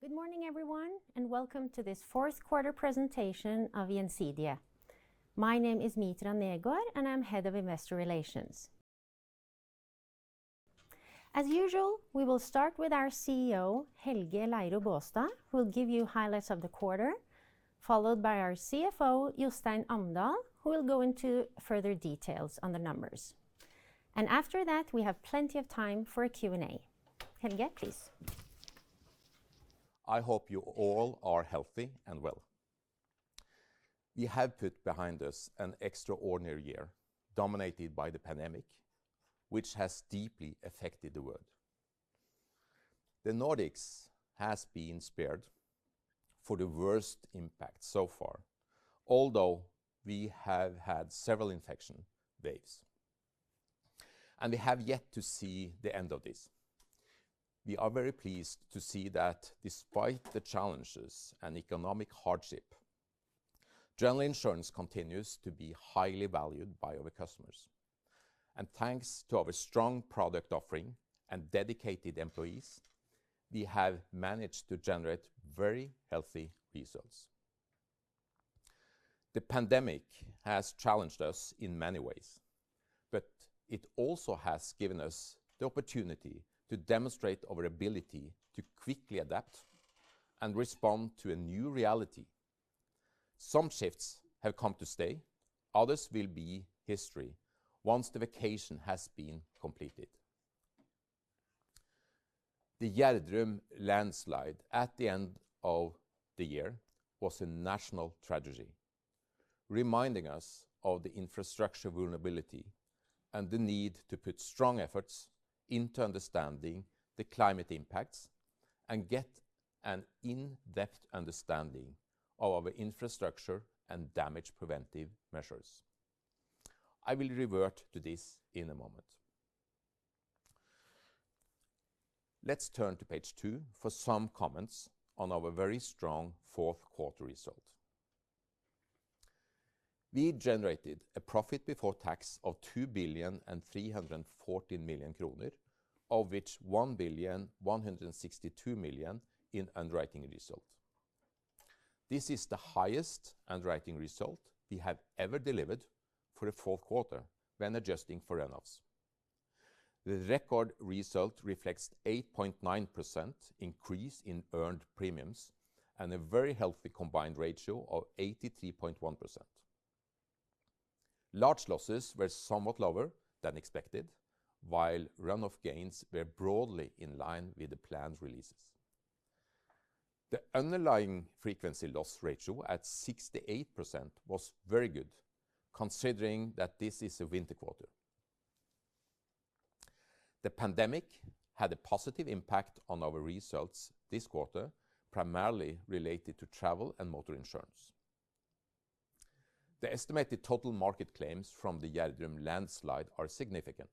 Good morning everyone, and welcome to this fourth quarter presentation of Gjensidige. My name is Mitra Negård, and I'm Head of Investor Relations. As usual, we will start with our CEO, Helge Leiro Baastad, who will give you highlights of the quarter, followed by our CFO, Jostein Amdal, who will go into further details on the numbers. After that, we have plenty of time for a Q&A. Helge, please. I hope you all are healthy and well. We have put behind us an extraordinary year dominated by the pandemic, which has deeply affected the world. The Nordics has been spared for the worst impact so far, although we have had several infection waves, and we have yet to see the end of this. We are very pleased to see that despite the challenges and economic hardship, general insurance continues to be highly valued by our customers. Thanks to our strong product offering and dedicated employees, we have managed to generate very healthy results. The pandemic has challenged us in many ways, but it also has given us the opportunity to demonstrate our ability to quickly adapt and respond to a new reality. Some shifts have come to stay. Others will be history once the vacation has been completed. The Gjerdrum landslide at the end of the year was a national tragedy, reminding us of the infrastructure vulnerability and the need to put strong efforts into understanding the climate impacts and get an in-depth understanding of our infrastructure and damage preventive measures. I will revert to this in a moment. Let's turn to page two for some comments on our very strong fourth quarter result. We generated a profit before tax of 2 billion 314 million kroner, of which 1 billion, 162 million in underwriting result. This is the highest underwriting result we have ever delivered for a fourth quarter when adjusting for run-offs. The record result reflects 8.9% increase in earned premiums and a very healthy combined ratio of 83.1%. Large losses were somewhat lower than expected, while run-off gains were broadly in line with the planned releases. The underlying frequency loss ratio at 68% was very good, considering that this is a winter quarter. The pandemic had a positive impact on our results this quarter, primarily related to travel and motor insurance. The estimated total market claims from the Gjerdrum landslide are significant.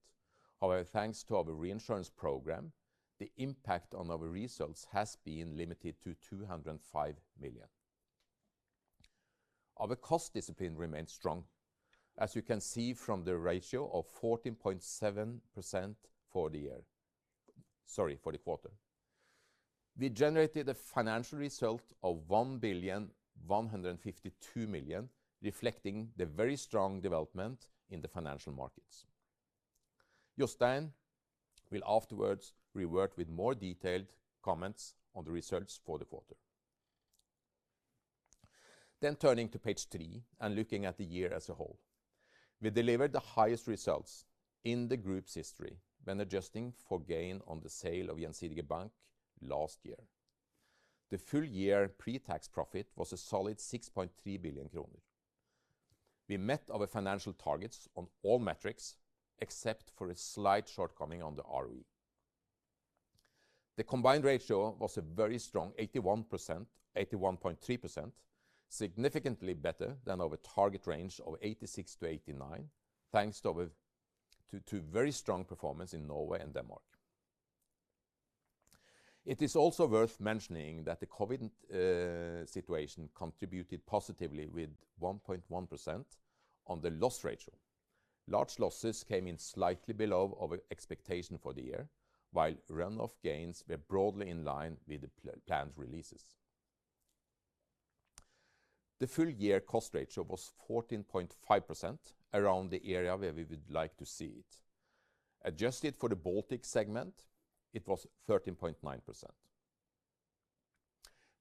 Thanks to our reinsurance program, the impact on our results has been limited to 205 million. Our cost discipline remains strong, as you can see from the ratio of 14.7% for the quarter. We generated a financial result of 1 billion 152 million, reflecting the very strong development in the financial markets. Jostein will afterwards revert with more detailed comments on the results for the quarter. Turning to page three and looking at the year as a whole. We delivered the highest results in the group's history when adjusting for gain on the sale of Gjensidige Bank last year. The full-year pre-tax profit was a solid 6.3 billion kroner. We met our financial targets on all metrics except for a slight shortcoming on the ROE. The combined ratio was a very strong 81.3%, significantly better than our target range of 86%-89%, thanks to very strong performance in Norway and Denmark. It is also worth mentioning that the COVID situation contributed positively with 1.1% on the loss ratio. Large losses came in slightly below our expectation for the year, while run-off gains were broadly in line with the planned releases. The full-year cost ratio was 14.5%, around the area where we would like to see it. Adjusted for the Baltic segment, it was 13.9%.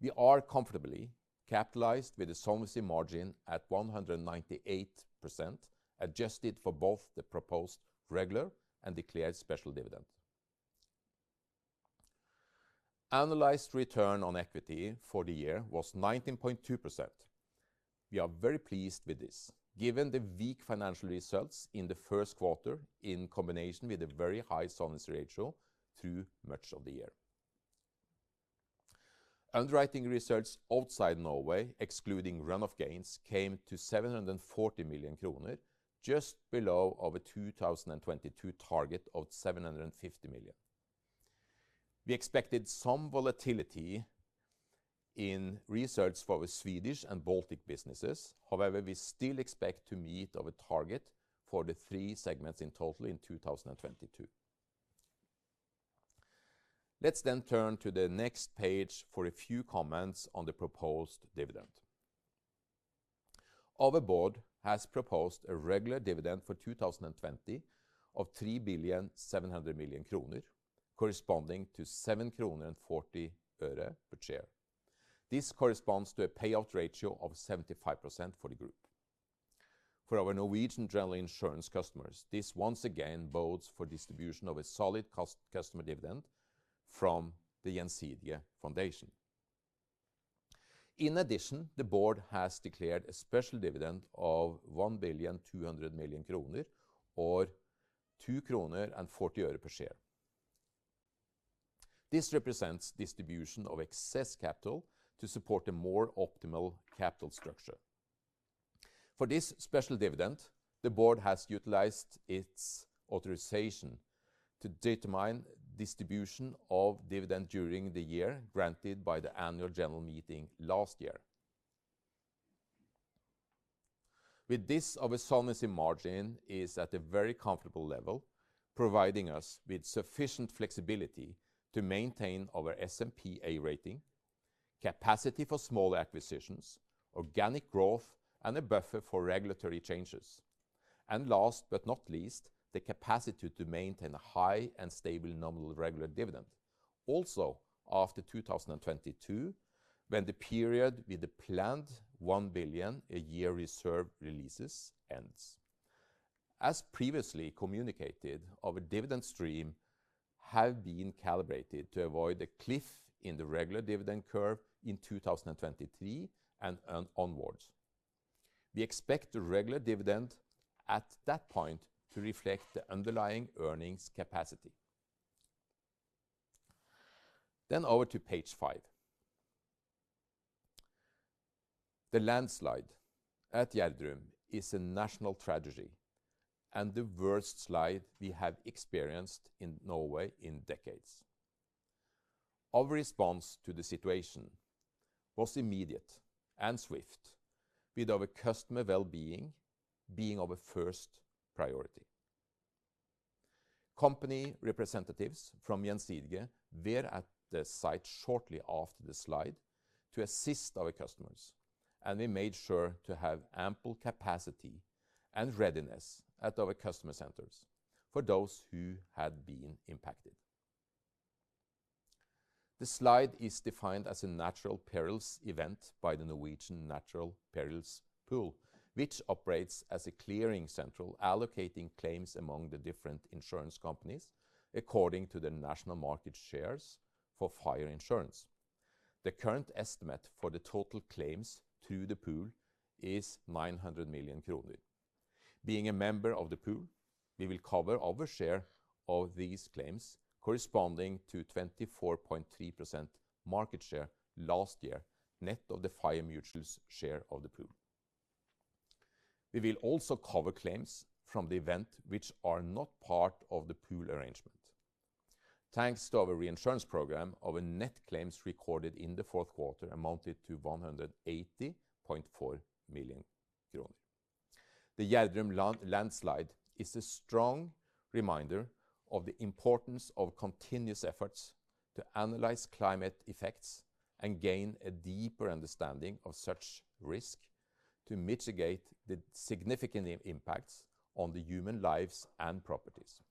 We are comfortably capitalized with a solvency margin at 198%, adjusted for both the proposed regular and declared special dividend. Analyzed return on equity for the year was 19.2%. We are very pleased with this, given the weak financial results in the first quarter, in combination with a very high solvency ratio through much of the year. Underwriting results outside Norway, excluding run-off gains, came to 740 million kroner, just below our 2022 target of 750 million. We expected some volatility in research for the Swedish and Baltic businesses. However, we still expect to meet our target for the three segments in total in 2022. Let's turn to the next page for a few comments on the proposed dividend. Our board has proposed a regular dividend for 2020 of 3 nillion 700 million kroner, corresponding to NOK 7.40 per share. This corresponds to a payout ratio of 75% for the group. For our Norwegian general insurance customers, this once again bodes for distribution of a solid customer dividend from the Gjensidige Foundation. The board has declared a special dividend of 1 billion, 200 million kroner, or NOK 2.40 per share. This represents distribution of excess capital to support a more optimal capital structure. For this special dividend, the board has utilized its authorization to determine distribution of dividend during the year granted by the annual general meeting last year. With this, our solvency margin is at a very comfortable level, providing us with sufficient flexibility to maintain our S&P A rating, capacity for small acquisitions, organic growth, and a buffer for regulatory changes. Last but not least, the capacity to maintain a high and stable nominal regular dividend, also after 2022, when the period with the planned 1 billion a year reserve releases ends. As previously communicated, our dividend stream have been calibrated to avoid a cliff in the regular dividend curve in 2023 and onwards. We expect the regular dividend at that point to reflect the underlying earnings capacity. Over to page five. The landslide at Gjerdrum is a national tragedy, and the worst slide we have experienced in Norway in decades. Our response to the situation was immediate and swift, with our customer well-being being our first priority. Company representatives from Gjensidige were at the site shortly after the slide to assist our customers, and we made sure to have ample capacity and readiness at our customer centers for those who had been impacted. The slide is defined as a natural perils event by the Norwegian Natural Perils Pool, which operates as a clearing central allocating claims among the different insurance companies according to their national market shares for fire insurance. The current estimate for the total claims to the pool is 900 million kroner. Being a member of the pool, we will cover our share of these claims, corresponding to 24.3% market share last year, net of the fire mutual's share of the pool. We will also cover claims from the event which are not part of the pool arrangement. Thanks to our reinsurance program, our net claims recorded in the fourth quarter amounted to 180.4 million kroner. The Gjerdrum landslide is a strong reminder of the importance of continuous efforts to analyze climate effects and gain a deeper understanding of such risk to mitigate the significant impacts on the human lives and properties.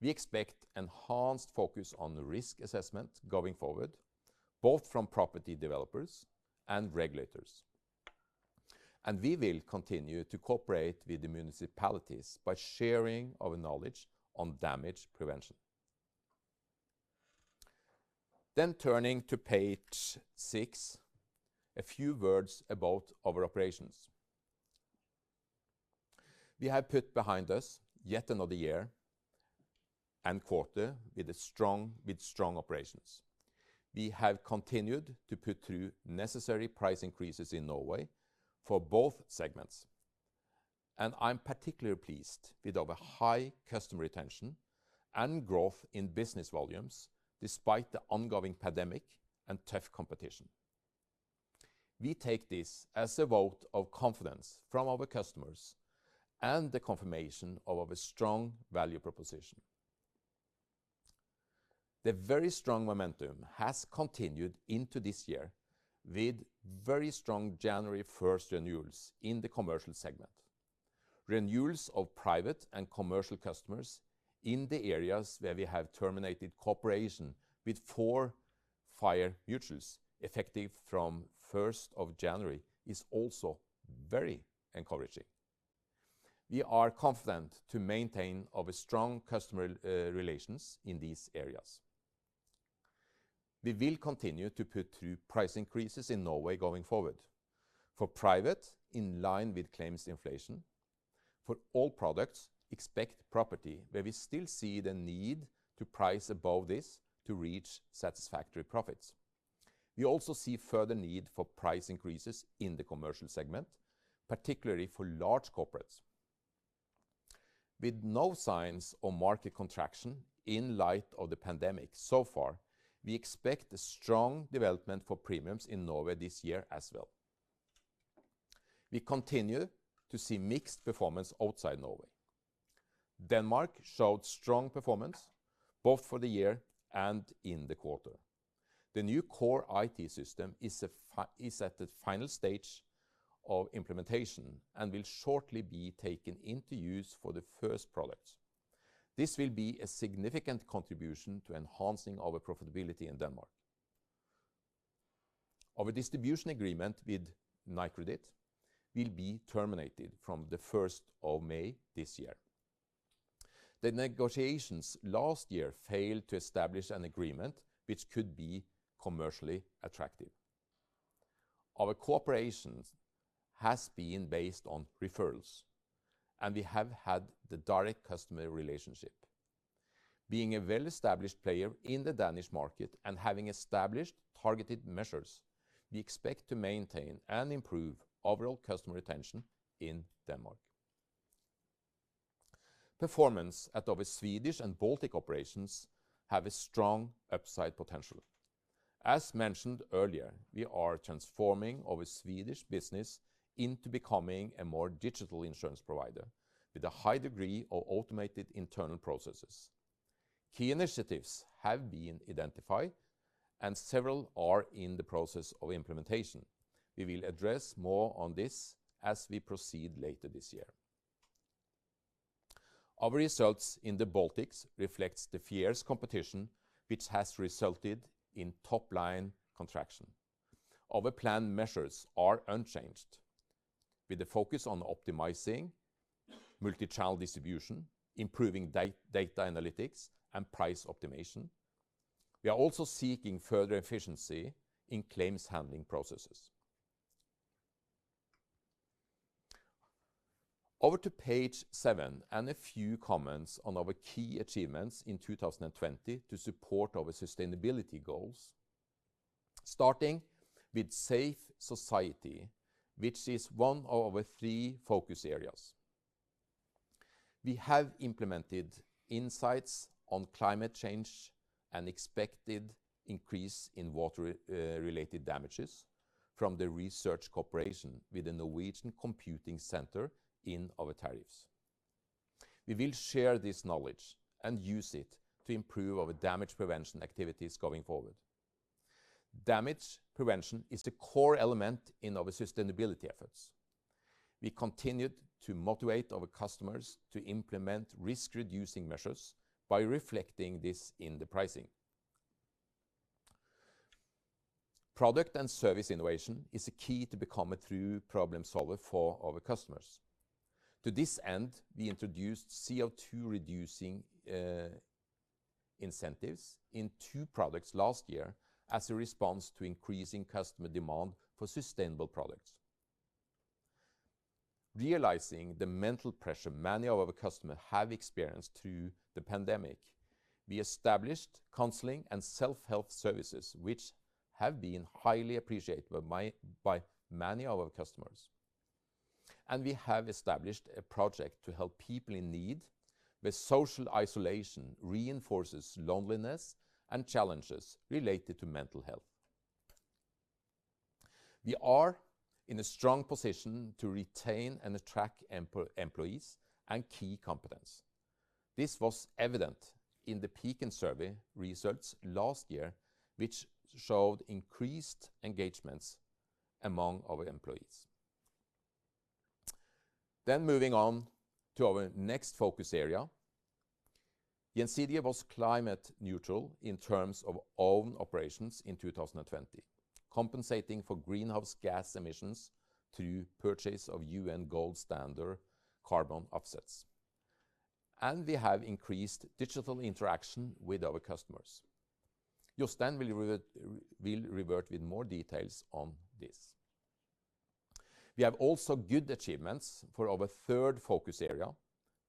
We expect enhanced focus on risk assessment going forward, both from property developers and regulators. We will continue to cooperate with the municipalities by sharing our knowledge on damage prevention. Turning to page six, a few words about our operations. We have put behind us yet another year and quarter with strong operations. We have continued to put through necessary price increases in Norway for both segments, and I'm particularly pleased with our high customer retention and growth in business volumes, despite the ongoing pandemic and tough competition. We take this as a vote of confidence from our customers and the confirmation of our strong value proposition. The very strong momentum has continued into this year with very strong January 1st renewals in the commercial segment. Renewals of private and commercial customers in the areas where we have terminated cooperation with four fire mutuals effective from 1st of January is also very encouraging. We are confident to maintain our strong customer relations in these areas. We will continue to put through price increases in Norway going forward. For private, in line with claims inflation. For all products, except property, where we still see the need to price above this to reach satisfactory profits. We also see further need for price increases in the commercial segment, particularly for large corporates. With no signs of market contraction in light of the pandemic so far, we expect a strong development for premiums in Norway this year as well. We continue to see mixed performance outside Norway. Denmark showed strong performance both for the year and in the quarter. The new core IT system is at the final stage of implementation and will shortly be taken into use for the first products. This will be a significant contribution to enhancing our profitability in Denmark. Our distribution agreement with Nykredit will be terminated from the 1st of May this year. The negotiations last year failed to establish an agreement which could be commercially attractive. Our cooperation has been based on referrals, and we have had the direct customer relationship. Being a well-established player in the Danish market and having established targeted measures, we expect to maintain and improve overall customer retention in Denmark. Performance at our Swedish and Baltic operations have a strong upside potential. As mentioned earlier, we are transforming our Swedish business into becoming a more digital insurance provider with a high degree of automated internal processes. Key initiatives have been identified, and several are in the process of implementation. We will address more on this as we proceed later this year. Our results in the Baltics reflects the fierce competition, which has resulted in top-line contraction. Our plan measures are unchanged, with the focus on optimizing multi-channel distribution, improving data analytics, and price optimization. We are also seeking further efficiency in claims handling processes. Over to page seven, a few comments on our key achievements in 2020 to support our sustainability goals, starting with Safe Society, which is one of our three focus areas. We have implemented insights on climate change and expected increase in water-related damages from the research cooperation with the Norwegian Computing Center in our tariffs. We will share this knowledge and use it to improve our damage prevention activities going forward. Damage prevention is the core element in our sustainability efforts. We continued to motivate our customers to implement risk-reducing measures by reflecting this in the pricing. Product and service innovation is a key to become a true problem-solver for our customers. To this end, we introduced CO2-reducing incentives in two products last year as a response to increasing customer demand for sustainable products. Realizing the mental pressure many of our customers have experienced through the pandemic, we established counseling and self-help services, which have been highly appreciated by many of our customers. We have established a project to help people in need where social isolation reinforces loneliness and challenges related to mental health. We are in a strong position to retain and attract employees and key competence. This was evident in the Peakon survey results last year, which showed increased engagements among our employees. Moving on to our next focus area. Gjensidige was climate neutral in terms of own operations in 2020, compensating for greenhouse gas emissions through purchase of UN Gold Standard carbon offsets. We have increased digital interaction with our customers. Jostein will revert with more details on this. We have also good achievements for our third focus area,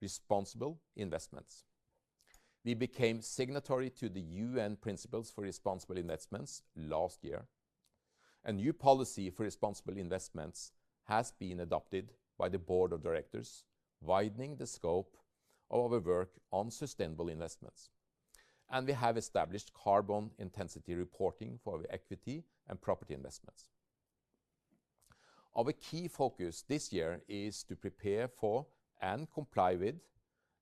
responsible investments. We became signatory to the UN Principles for Responsible Investment last year. A new policy for responsible investments has been adopted by the board of directors, widening the scope of our work on sustainable investments. We have established carbon intensity reporting for our equity and property investments. Our key focus this year is to prepare for and comply with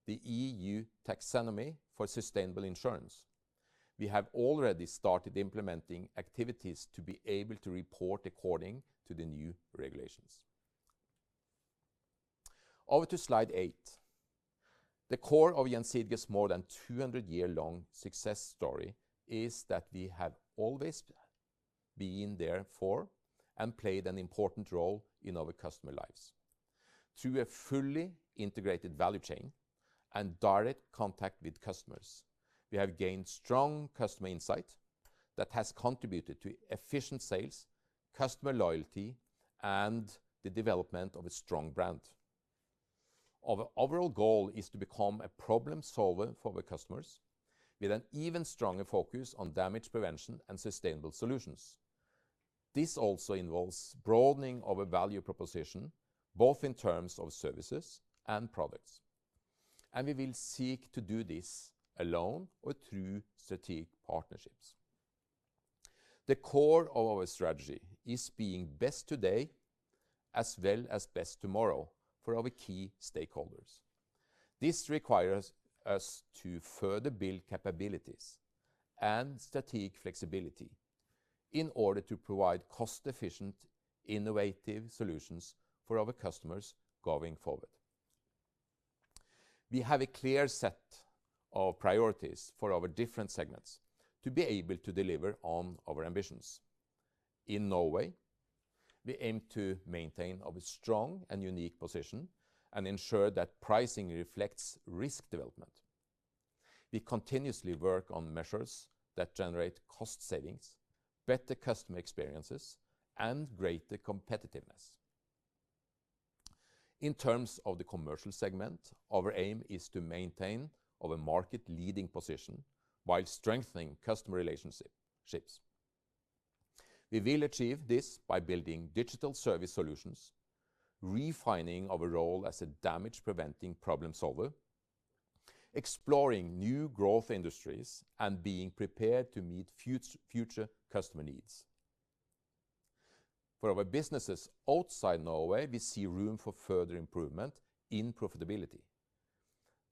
the EU taxonomy for sustainable insurance. We have already started implementing activities to be able to report according to the new regulations. Over to slide eight. The core of Gjensidige's more than 200-year-long success story is that we have always been there for and played an important role in our customer lives. Through a fully integrated value chain and direct contact with customers, we have gained strong customer insight that has contributed to efficient sales, customer loyalty, and the development of a strong brand. Our overall goal is to become a problem-solver for our customers with an even stronger focus on damage prevention and sustainable solutions. This also involves broadening of a value proposition, both in terms of services and products. We will seek to do this alone or through strategic partnerships. The core of our strategy is being best today, as well as best tomorrow, for our key stakeholders. This requires us to further build capabilities and strategic flexibility in order to provide cost-efficient, innovative solutions for our customers going forward. We have a clear set of priorities for our different segments to be able to deliver on our ambitions. In Norway, we aim to maintain our strong and unique position and ensure that pricing reflects risk development. We continuously work on measures that generate cost savings, better customer experiences, and greater competitiveness. In terms of the commercial segment, our aim is to maintain our market-leading position while strengthening customer relationships. We will achieve this by building digital service solutions, refining our role as a damage-preventing problem solver, exploring new growth industries, and being prepared to meet future customer needs. For our businesses outside Norway, we see room for further improvement in profitability,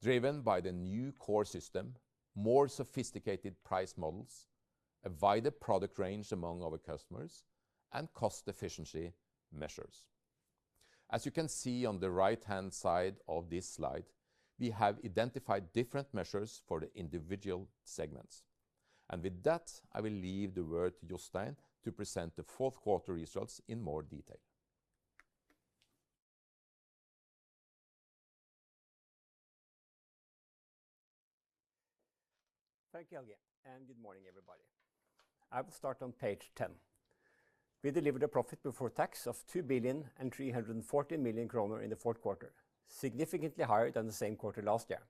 driven by the new core system, more sophisticated price models, a wider product range among our customers, and cost efficiency measures. As you can see on the right-hand side of this slide, we have identified different measures for the individual segments. With that, I will leave the word to Jostein to present the fourth quarter results in more detail. Thank you, Helge. Good morning, everybody. I will start on page 10. We delivered a profit before tax of 2 billion and 340 million kroner in the fourth quarter, significantly higher than the same quarter last year.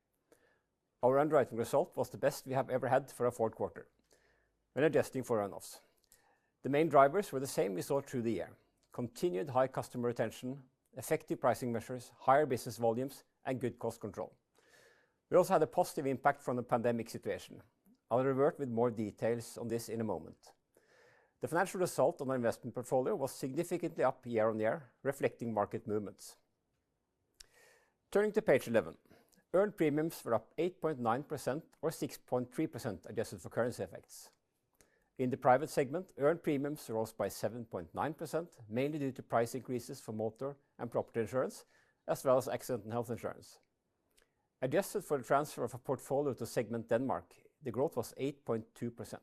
Our underwriting result was the best we have ever had for a fourth quarter when adjusting for run-offs. The main drivers were the same we saw through the year: continued high customer retention, effective pricing measures, higher business volumes, and good cost control. We also had a positive impact from the pandemic situation. I'll revert with more details on this in a moment. The financial result on our investment portfolio was significantly up year-over-year, reflecting market movements. Turning to page 11. Earned premiums were up 8.9% or 6.3% adjusted for currency effects. In the private segment, earned premiums rose by 7.9%, mainly due to price increases for motor and property insurance, as well as accident and health insurance. Adjusted for the transfer of a portfolio to segment Denmark, the growth was 8.2%.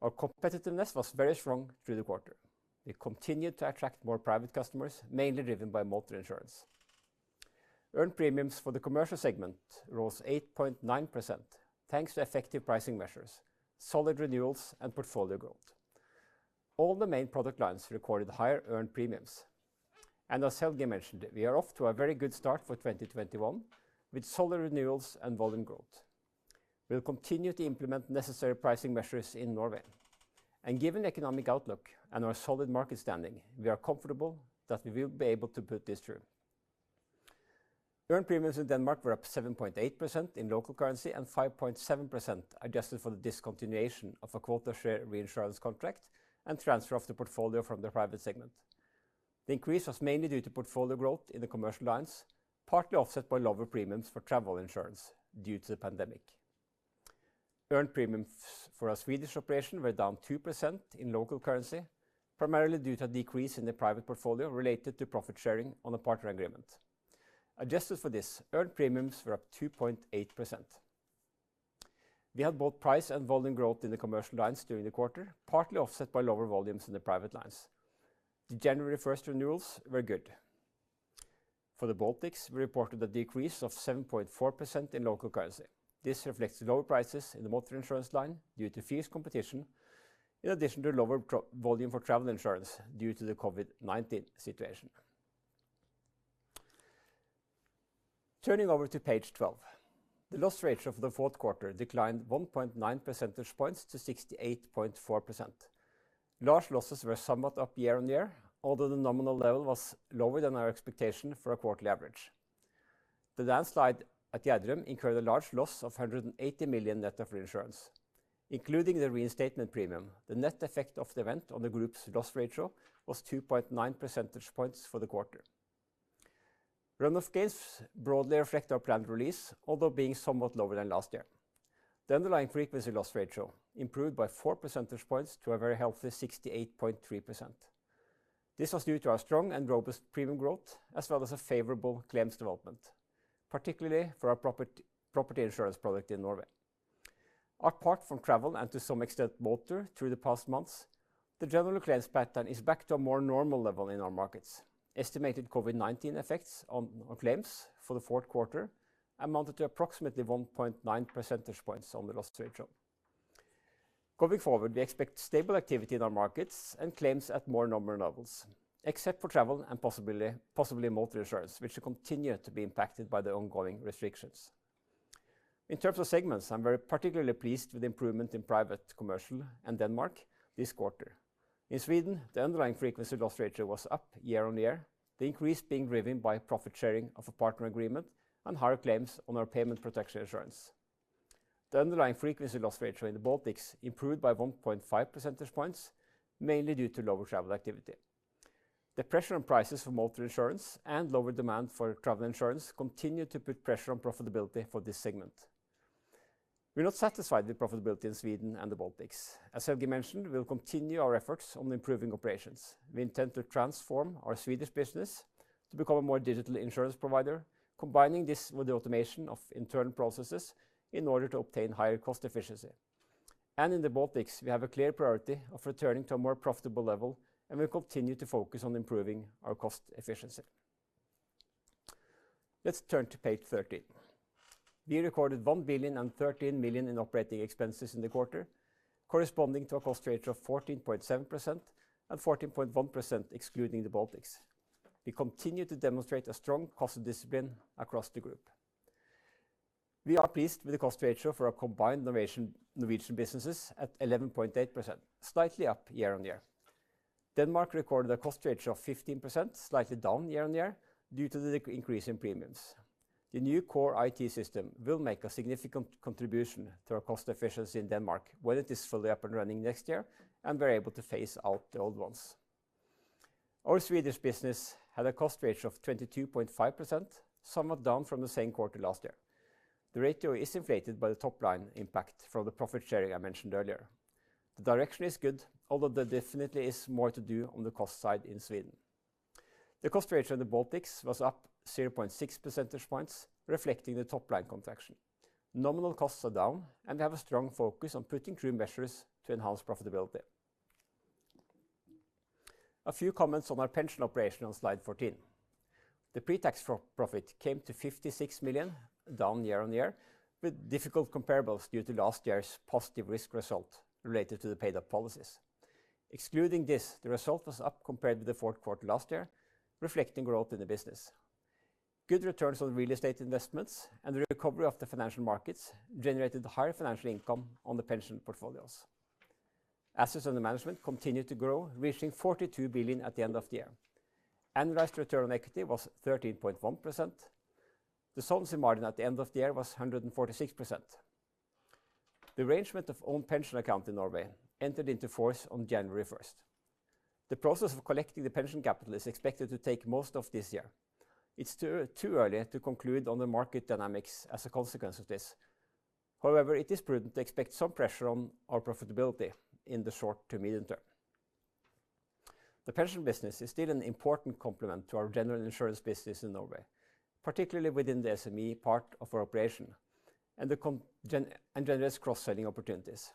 Our competitiveness was very strong through the quarter. We continued to attract more private customers, mainly driven by motor insurance. Earned premiums for the commercial segment rose 8.9% thanks to effective pricing measures, solid renewals, and portfolio growth. All the main product lines recorded higher earned premiums. As Helge mentioned, we are off to a very good start for 2021 with solid renewals and volume growth. We'll continue to implement necessary pricing measures in Norway. Given economic outlook and our solid market standing, we are comfortable that we will be able to put this through. Earned premiums in Denmark were up 7.8% in local currency and 5.7% adjusted for the discontinuation of a quota share reinsurance contract and transfer of the portfolio from the private segment. The increase was mainly due to portfolio growth in the commercial lines, partly offset by lower premiums for travel insurance due to the pandemic. Earned premiums for our Swedish operation were down 2% in local currency, primarily due to a decrease in the private portfolio related to profit sharing on a partner agreement. Adjusted for this, earned premiums were up 2.8%. We had both price and volume growth in the commercial lines during the quarter, partly offset by lower volumes in the private lines. The January 1st renewals were good. For the Baltics, we reported a decrease of 7.4% in local currency. This reflects lower prices in the motor insurance line due to fierce competition, in addition to lower volume for travel insurance due to the COVID-19 situation. Turning over to page 12. The loss ratio for the fourth quarter declined 1.9 percentage points to 68.4%. Large losses were somewhat up year-on-year, although the nominal level was lower than our expectation for a quarterly average. The landslide at Gjerdrum incurred a large loss of 180 million net of reinsurance. Including the reinstatement premium, the net effect of the event on the group's loss ratio was 2.9 percentage points for the quarter. Run-off gains broadly reflect our planned release, although being somewhat lower than last year. The underlying frequency loss ratio improved by four percentage points to a very healthy 68.3%. This was due to our strong and robust premium growth, as well as a favorable claims development, particularly for our property insurance product in Norway. Apart from travel and to some extent motor through the past months, the general claims pattern is back to a more normal level in our markets. Estimated COVID-19 effects on claims for the fourth quarter amounted to approximately 1.9 percentage points on the loss ratio. Going forward, we expect stable activity in our markets and claims at more normal levels, except for travel and possibly motor insurance, which will continue to be impacted by the ongoing restrictions. In terms of segments, I'm very particularly pleased with the improvement in private, commercial, and Denmark this quarter. In Sweden, the underlying frequency loss ratio was up year-over-year, the increase being driven by profit sharing of a partner agreement and higher claims on our payment protection insurance. The underlying frequency loss ratio in the Baltics improved by 1.5 percentage points, mainly due to lower travel activity. The pressure on prices for motor insurance and lower demand for travel insurance continued to put pressure on profitability for this segment. We're not satisfied with the profitability in Sweden and the Baltics. As Helge mentioned, we will continue our efforts on improving operations. We intend to transform our Swedish business to become a more digital insurance provider, combining this with the automation of internal processes in order to obtain higher cost efficiency. In the Baltics, we have a clear priority of returning to a more profitable level, and we continue to focus on improving our cost efficiency. Let's turn to page 13. We recorded 1 billion and 13 million in operating expenses in the quarter, corresponding to a cost ratio of 14.7% and 14.1% excluding the Baltics. We continue to demonstrate a strong cost discipline across the group. We are pleased with the cost ratio for our combined Norwegian businesses at 11.8%, slightly up year-on-year. Denmark recorded a cost ratio of 15%, slightly down year-on-year, due to the increase in premiums. The new core IT system will make a significant contribution to our cost efficiency in Denmark when it is fully up and running next year and we're able to phase out the old ones. Our Swedish business had a cost ratio of 22.5%, somewhat down from the same quarter last year. The ratio is inflated by the top-line impact from the profit sharing I mentioned earlier. The direction is good, although there definitely is more to do on the cost side in Sweden. The cost ratio in the Baltics was up 0.6 percentage points, reflecting the top-line contraction. Nominal costs are down, and we have a strong focus on putting through measures to enhance profitability. A few comments on our pension operation on slide 14. The pre-tax profit came to 56 million, down year-over-year, with difficult comparables due to last year's positive risk result related to the paid-up policies. Excluding this, the result was up compared with the fourth quarter last year, reflecting growth in the business. Good returns on real estate investments and the recovery of the financial markets generated higher financial income on the pension portfolios. Assets under management continued to grow, reaching 42 billion at the end of the year. Annualized return on equity was 13.1%. The solvency margin at the end of the year was 146%. The arrangement of own pension account in Norway entered into force on January 1st. The process of collecting the pension capital is expected to take most of this year. It's too early to conclude on the market dynamics as a consequence of this. However, it is prudent to expect some pressure on our profitability in the short to medium term. The pension business is still an important complement to our general insurance business in Norway, particularly within the SME part of our operation, and generates cross-selling opportunities.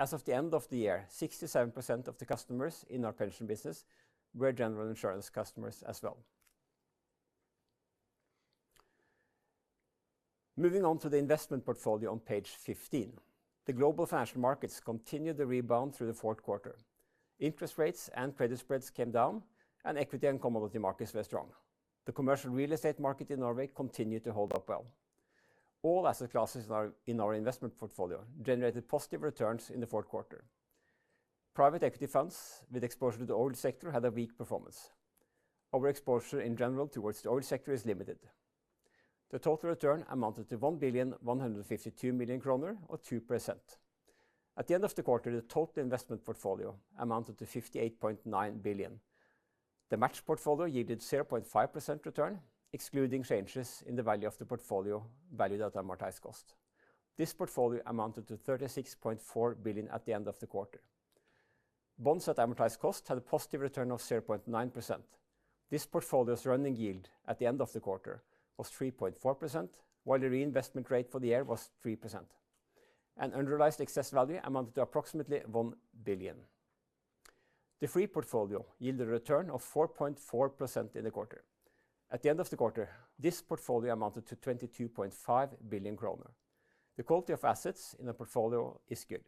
As of the end of the year, 67% of the customers in our pension business were general insurance customers as well. Moving on to the investment portfolio on page 15. The global financial markets continued to rebound through the fourth quarter. Interest rates and credit spreads came down, and equity and commodity markets were strong. The commercial real estate market in Norway continued to hold up well. All asset classes in our investment portfolio generated positive returns in the fourth quarter. Private equity funds with exposure to the oil sector had a weak performance. Our exposure in general towards the oil sector is limited. The total return amounted to 1 billion kroner 152 million, or 2%. At the end of the quarter, the total investment portfolio amounted to 58.9 billion. The matched portfolio yielded 0.5% return, excluding changes in the value of the portfolio valued at amortised cost. This portfolio amounted to 36.4 billion at the end of the quarter. Bonds at amortised cost had a positive return of 0.9%. This portfolio's running yield at the end of the quarter was 3.4%, while the reinvestment rate for the year was 3%. Unrealized excess value amounted to approximately 1 billion. The free portfolio yielded a return of 4.4% in the quarter. At the end of the quarter, this portfolio amounted to 22.5 billion kroner. The quality of assets in the portfolio is good.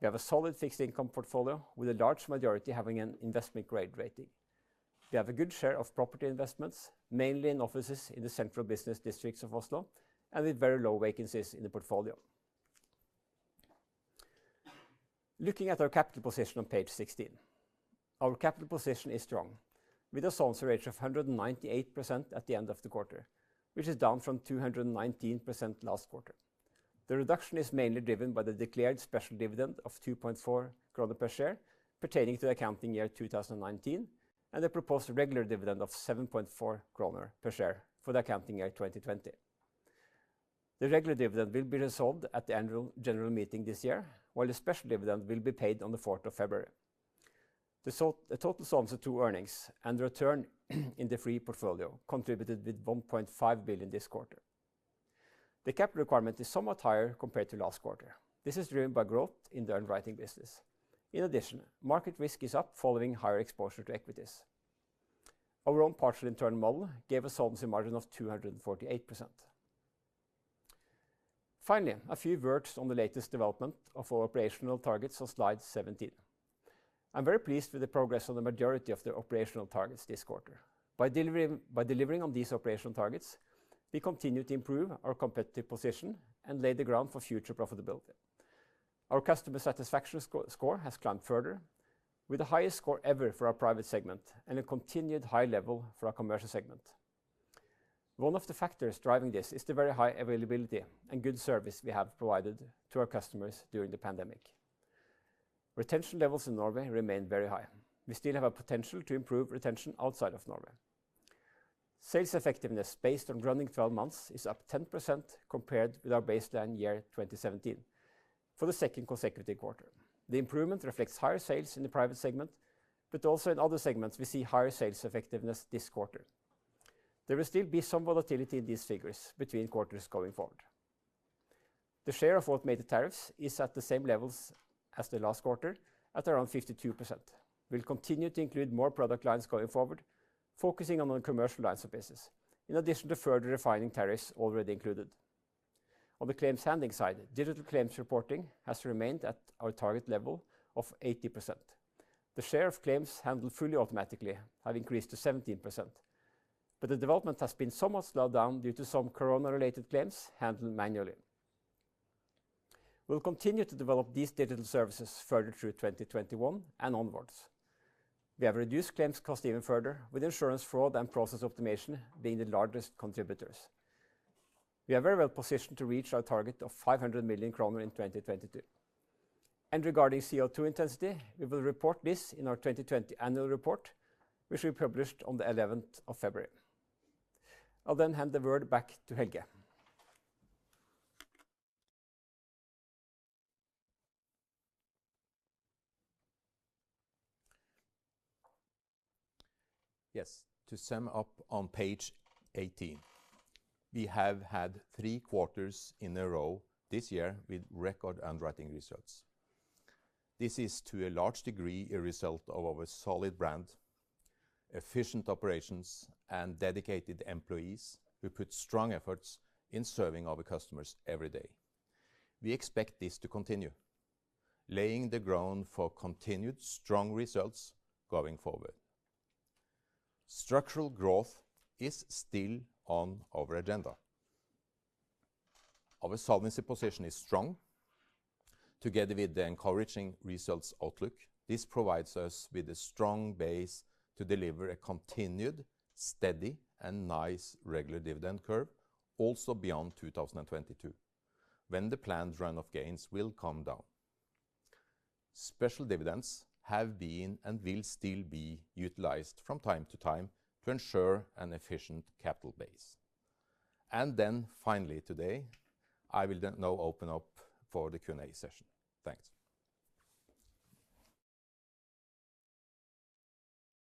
We have a solid fixed income portfolio with a large majority having an investment-grade rating. We have a good share of property investments, mainly in offices in the central business districts of Oslo, and with very low vacancies in the portfolio. Looking at our capital position on page 16. Our capital position is strong, with a solvency ratio of 198% at the end of the quarter, which is down from 219% last quarter. The reduction is mainly driven by the declared special dividend of 2.4 kroner per share pertaining to the accounting year 2019, and the proposed regular dividend of 7.4 kroner per share for the accounting year 2020. The regular dividend will be resolved at the annual general meeting this year, while the special dividend will be paid on the 4th of February. The total solvency through earnings and return in the free portfolio contributed with 1.5 billion this quarter. The capital requirement is somewhat higher compared to last quarter. This is driven by growth in the underwriting business. In addition, market risk is up following higher exposure to equities. Our own partial internal model gave a solvency margin of 248%. Finally, a few words on the latest development of our operational targets on slide 17. I'm very pleased with the progress on the majority of the operational targets this quarter. By delivering on these operational targets, we continue to improve our competitive position and lay the ground for future profitability. Our customer satisfaction score has climbed further, with the highest score ever for our private segment and a continued high level for our commercial segment. One of the factors driving this is the very high availability and good service we have provided to our customers during the pandemic. Retention levels in Norway remain very high. We still have a potential to improve retention outside of Norway. Sales effectiveness based on running 12 months is up 10% compared with our baseline year 2017 for the second consecutive quarter. The improvement reflects higher sales in the private segment, but also in other segments we see higher sales effectiveness this quarter. There will still be some volatility in these figures between quarters going forward. The share of automated tariffs is at the same levels as the last quarter at around 52%. We'll continue to include more product lines going forward, focusing on the commercial lines of business, in addition to further refining tariffs already included. On the claims handling side, digital claims reporting has remained at our target level of 80%. The share of claims handled fully automatically have increased to 17%, but the development has been somewhat slowed down due to some corona-related claims handled manually. We'll continue to develop these digital services further through 2021 and onwards. We have reduced claims cost even further with insurance fraud and process optimization being the largest contributors. We are very well positioned to reach our target of 500 million kroner in 2022. Regarding CO2 intensity, we will report this in our 2020 annual report, which will be published on the 11th of February. I'll hand the word back to Helge. Yes. To sum up on page 18, we have had three quarters in a row this year with record underwriting results. This is, to a large degree, a result of our solid brand, efficient operations, and dedicated employees who put strong efforts in serving our customers every day. We expect this to continue, laying the ground for continued strong results going forward. Structural growth is still on our agenda. Our solvency position is strong. Together with the encouraging results outlook, this provides us with a strong base to deliver a continued, steady, and nice regular dividend curve also beyond 2022, when the planned run of gains will come down. Special dividends have been and will still be utilized from time to time to ensure an efficient capital base. Finally today, I will now open up for the Q&A session. Thanks.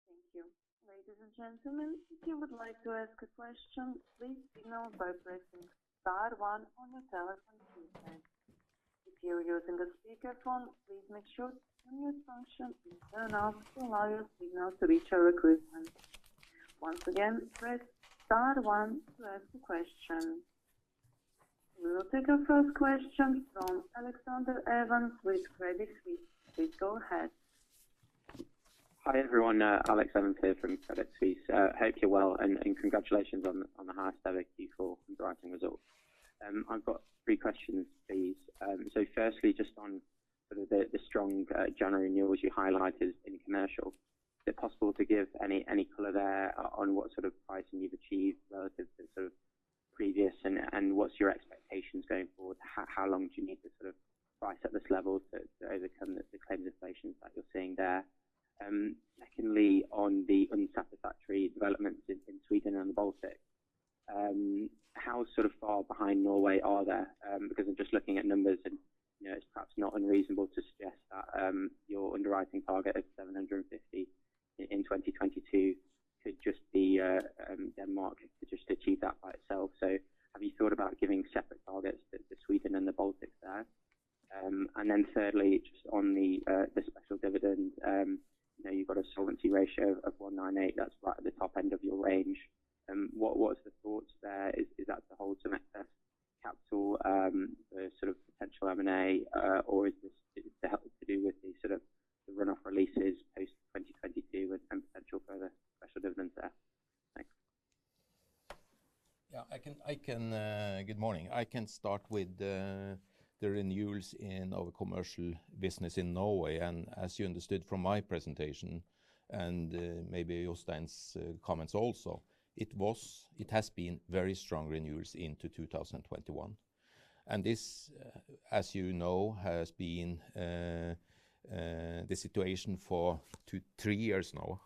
Thank you. Ladies and gentlemen, if you would like to ask a question, please signal by pressing star one on your telephone keypad. If you are using a speakerphone, please make sure the mute function is turned off to allow your signal to reach our equipment. Once again, press star one to ask a question. We will take our first question from Alexander Evans with Credit Suisse. Please go ahead. Hi, everyone. Alexander Evans here from Credit Suisse. Hope you're well, congratulations on the half static Q4 underwriting results. I've got three questions, please. Firstly, just on sort of the strong January renewals you highlighted in commercial. Is it possible to give any color there on what sort of pricing you've achieved relative to sort of previous, and what's your expectations going forward? How long do you need to sort of price at this level to overcome the claim inflations that you're seeing there? Secondly, on the unsatisfactory developments in Sweden and the Baltics. How sort of far behind Norway are they? I'm just looking at numbers, and it's perhaps not unreasonable to suggest that your underwriting target of 750 in 2022 could just be Denmark to just achieve that by itself. Have you thought about giving separate targets to Sweden and the Baltics there? Thirdly, just on the special dividend. You've got a solvency ratio of 198%. That's right at the top end of your range. What is the thoughts there? Is that to hold some excess capital for sort of potential M&A or is this to help to do with the sort of the runoff releases post 2022 with some potential further special dividends there? Thanks. Good morning. I can start with the renewals in our commercial business in Norway, and as you understood from my presentation and maybe Jostein's comments also, it has been very strong renewals into 2021. This, as you know, has been the situation for two, three years now.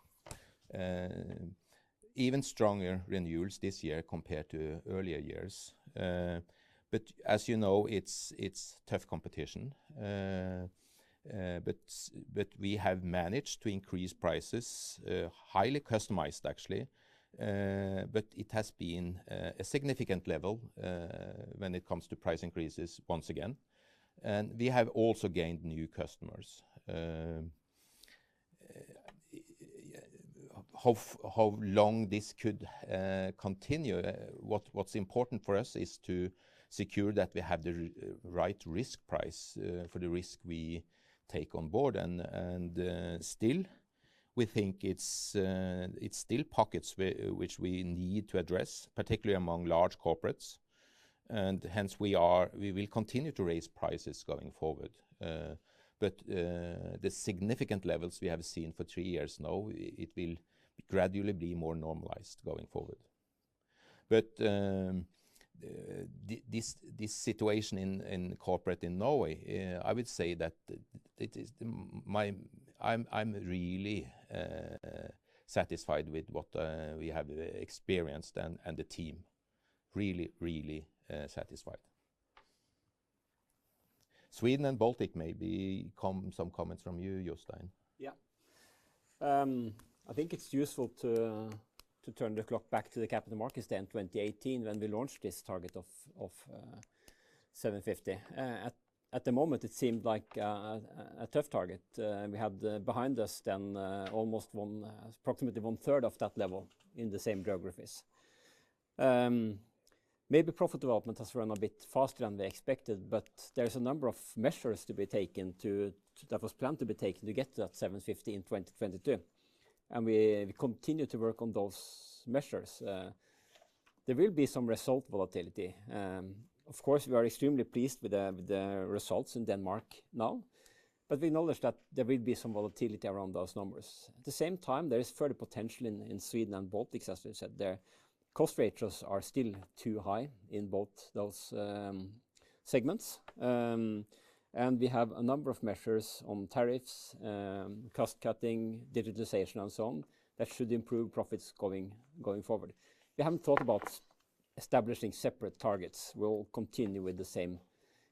Even stronger renewals this year compared to earlier years. As you know, it's tough competition. We have managed to increase prices, highly customized, actually. It has been a significant level when it comes to price increases once again. We have also gained new customers. How long this could continue? What's important for us is to secure that we have the right risk price for the risk we take on board. Still, we think it's still pockets which we need to address, particularly among large corporates. Hence, we will continue to raise prices going forward. The significant levels we have seen for three years now, it will gradually be more normalized going forward. This situation in corporate in Norway, I would say that I'm really satisfied with what we have experienced and the team, really satisfied. Sweden and Baltic, maybe some comments from you, Jostein. Yeah. I think it's useful to turn the clock back to the capital markets day in 2018 when we launched this target of 750. At the moment, it seemed like a tough target. We had behind us then approximately one third of that level in the same geographies. Maybe profit development has run a bit faster than we expected. There's a number of measures that was planned to be taken to get to that 750 in 2022. We continue to work on those measures. There will be some result volatility. Of course, we are extremely pleased with the results in Denmark now. We acknowledge that there will be some volatility around those numbers. At the same time, there is further potential in Sweden and Baltics, as we've said there. Cost ratios are still too high in both those segments. We have a number of measures on tariffs, cost cutting, digitalization and so on that should improve profits going forward. We haven't thought about establishing separate targets. We'll continue with the same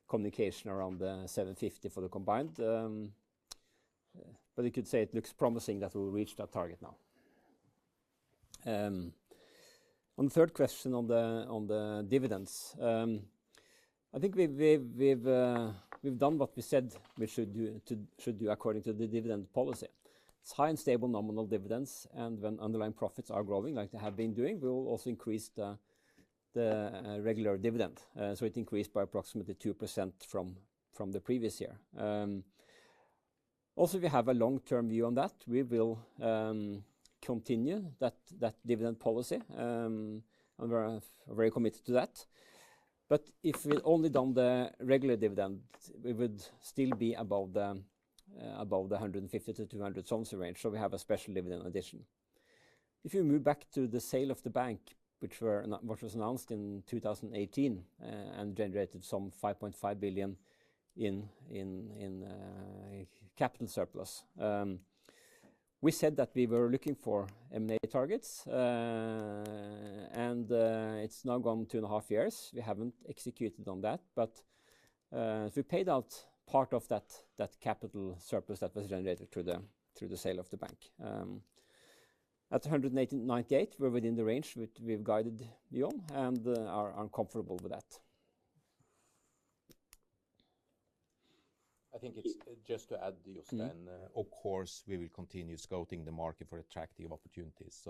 communication around the 750 for the combined. You could say it looks promising that we'll reach that target now. On the third question on the dividends, I think we've done what we said we should do according to the dividend policy. It's high and stable nominal dividends, and when underlying profits are growing like they have been doing, we will also increase the regular dividend. It increased by approximately 2% from the previous year. Also, we have a long-term view on that. We will continue that dividend policy, and we're very committed to that. If we'd only done the regular dividend, we would still be above the 150%-200% solvency range, so we have a special dividend addition. If you move back to the sale of Gjensidige Bank, which was announced in 2018 and generated some 5.5 billion in capital surplus, we said that we were looking for M&A targets, and it's now gone two and a half years. We haven't executed on that, we paid out part of that capital surplus that was generated through the sale of Gjensidige Bank. At 198%, we're within the range which we've guided beyond and are comfortable with that. I think it's just to add, Jostein, of course, we will continue scouting the market for attractive opportunities.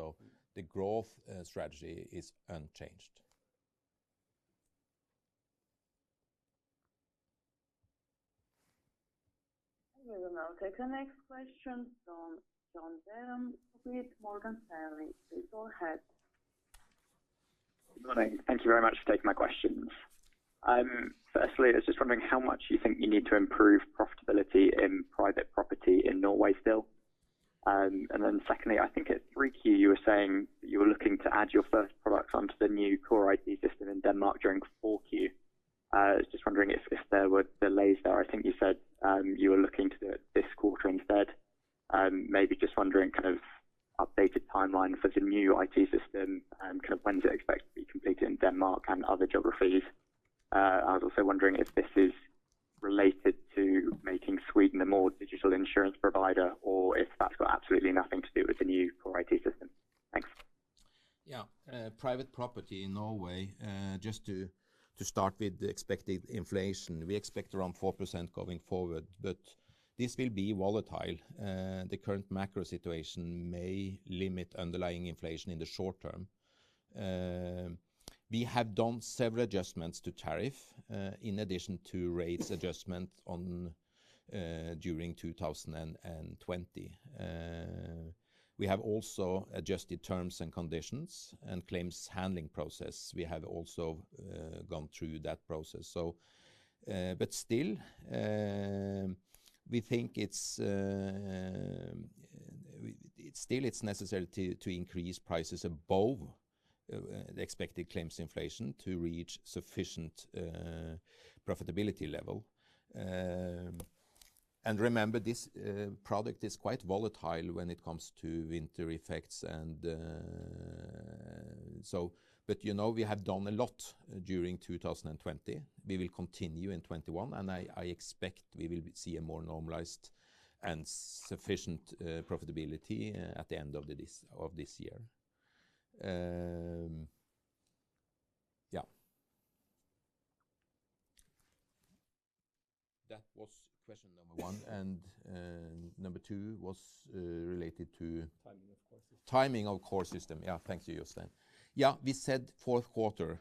The growth strategy is unchanged. We will now take the next question from Jonathan Denham with Morgan Stanley. Please go ahead. Good morning. Thank you very much for taking my questions. Firstly, I was just wondering how much you think you need to improve profitability in private property in Norway, still. Secondly, I think at 3Q, you were saying that you were looking to add your first product onto the new core IT system in Denmark during 4Q. I was just wondering if there were delays there. I think you said you were looking to do it this quarter instead. Maybe just wondering kind of updated timeline for the new IT system and when to expect to be completed in Denmark and other geographies. I was also wondering if this is related to making Sweden a more digital insurance provider or if that's got absolutely nothing to do with the new core IT system. Thanks. Yeah. Private property in Norway, just to start with the expected inflation, we expect around 4% going forward, but this will be volatile. The current macro situation may limit underlying inflation in the short term. We have done several adjustments to tariff, in addition to rates adjustment during 2020. We have also adjusted terms and conditions and claims handling process. We have also gone through that process. Still, we think it's necessary to increase prices above the expected claims inflation to reach sufficient profitability level. Remember, this product is quite volatile when it comes to winter effects and so. We have done a lot during 2020. We will continue in 2021, and I expect we will see a more normalized and sufficient profitability at the end of this year. Yeah. Question number one, and number two was related to- Timing of core system. Timing of core system. Yeah, thank you, Jostein. Yeah, we said fourth quarter.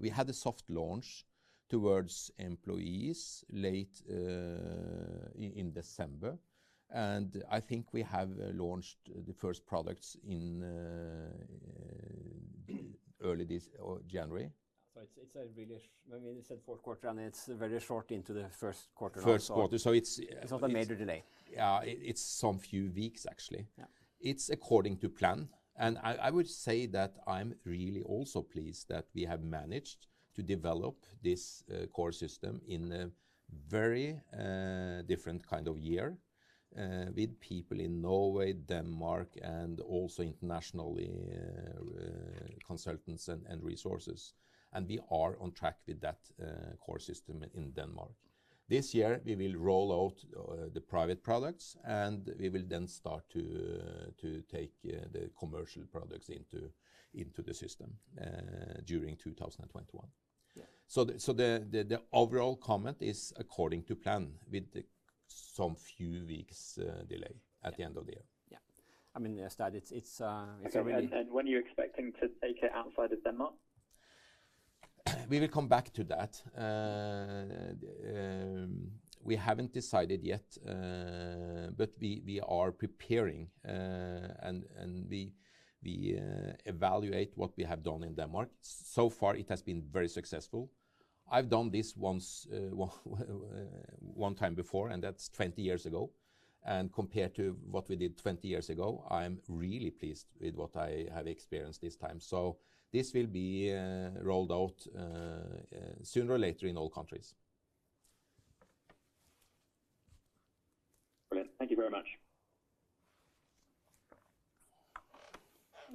We had a soft launch towards employees late in December, and I think we have launched the first products in early January. It's really, when we said fourth quarter, and it's very short into the first quarter now. First quarter. It's not a major delay. Yeah. It's some few weeks, actually. Yeah. It's according to plan, and I would say that I'm really also pleased that we have managed to develop this core system in a very different kind of year with people in Norway, Denmark, and also internationally, consultants and resources. We are on track with that core system in Denmark. This year, we will roll out the private products, and we will then start to take the commercial products into the system during 2021. Yeah. The overall comment is according to plan with some few weeks delay at the end of the year. Yeah. I mean, When are you expecting to take it outside of Denmark? We will come back to that. We haven't decided yet, but we are preparing, and we evaluate what we have done in Denmark. Far, it has been very successful. I've done this one time before, and that's 20 years ago. Compared to what we did 20 years ago, I'm really pleased with what I have experienced this time. This will be rolled out sooner or later in all countries. Brilliant. Thank you very much.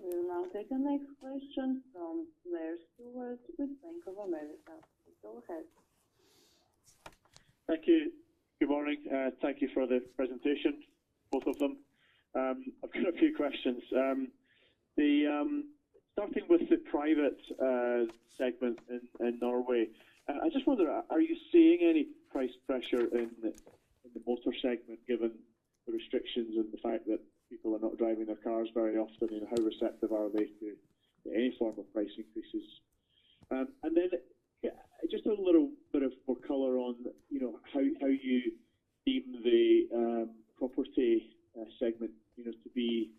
We will now take the next question from Blair Stewart with Bank of America. Go ahead. Thank you. Good morning. Thank you for the presentation, both of them. I've got a few questions. Starting with the private segment in Norway, I just wonder, are you seeing any price pressure in the motor segment given the restrictions and the fact that people are not driving their cars very often? How receptive are they to any form of price increases? Then just a little bit of more color on how you deem the property segment to be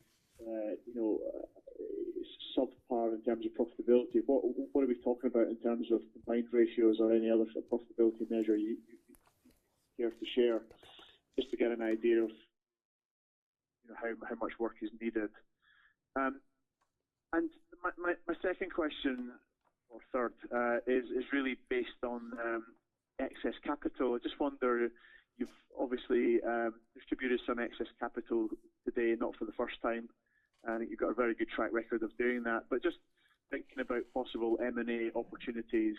subpar in terms of profitability. What are we talking about in terms of combined ratios or any other profitability measure you care to share, just to get an idea of how much work is needed? My second question, or third, is really based on excess capital. I just wonder, you've obviously distributed some excess capital today, not for the first time. I think you've got a very good track record of doing that. Just thinking about possible M&A opportunities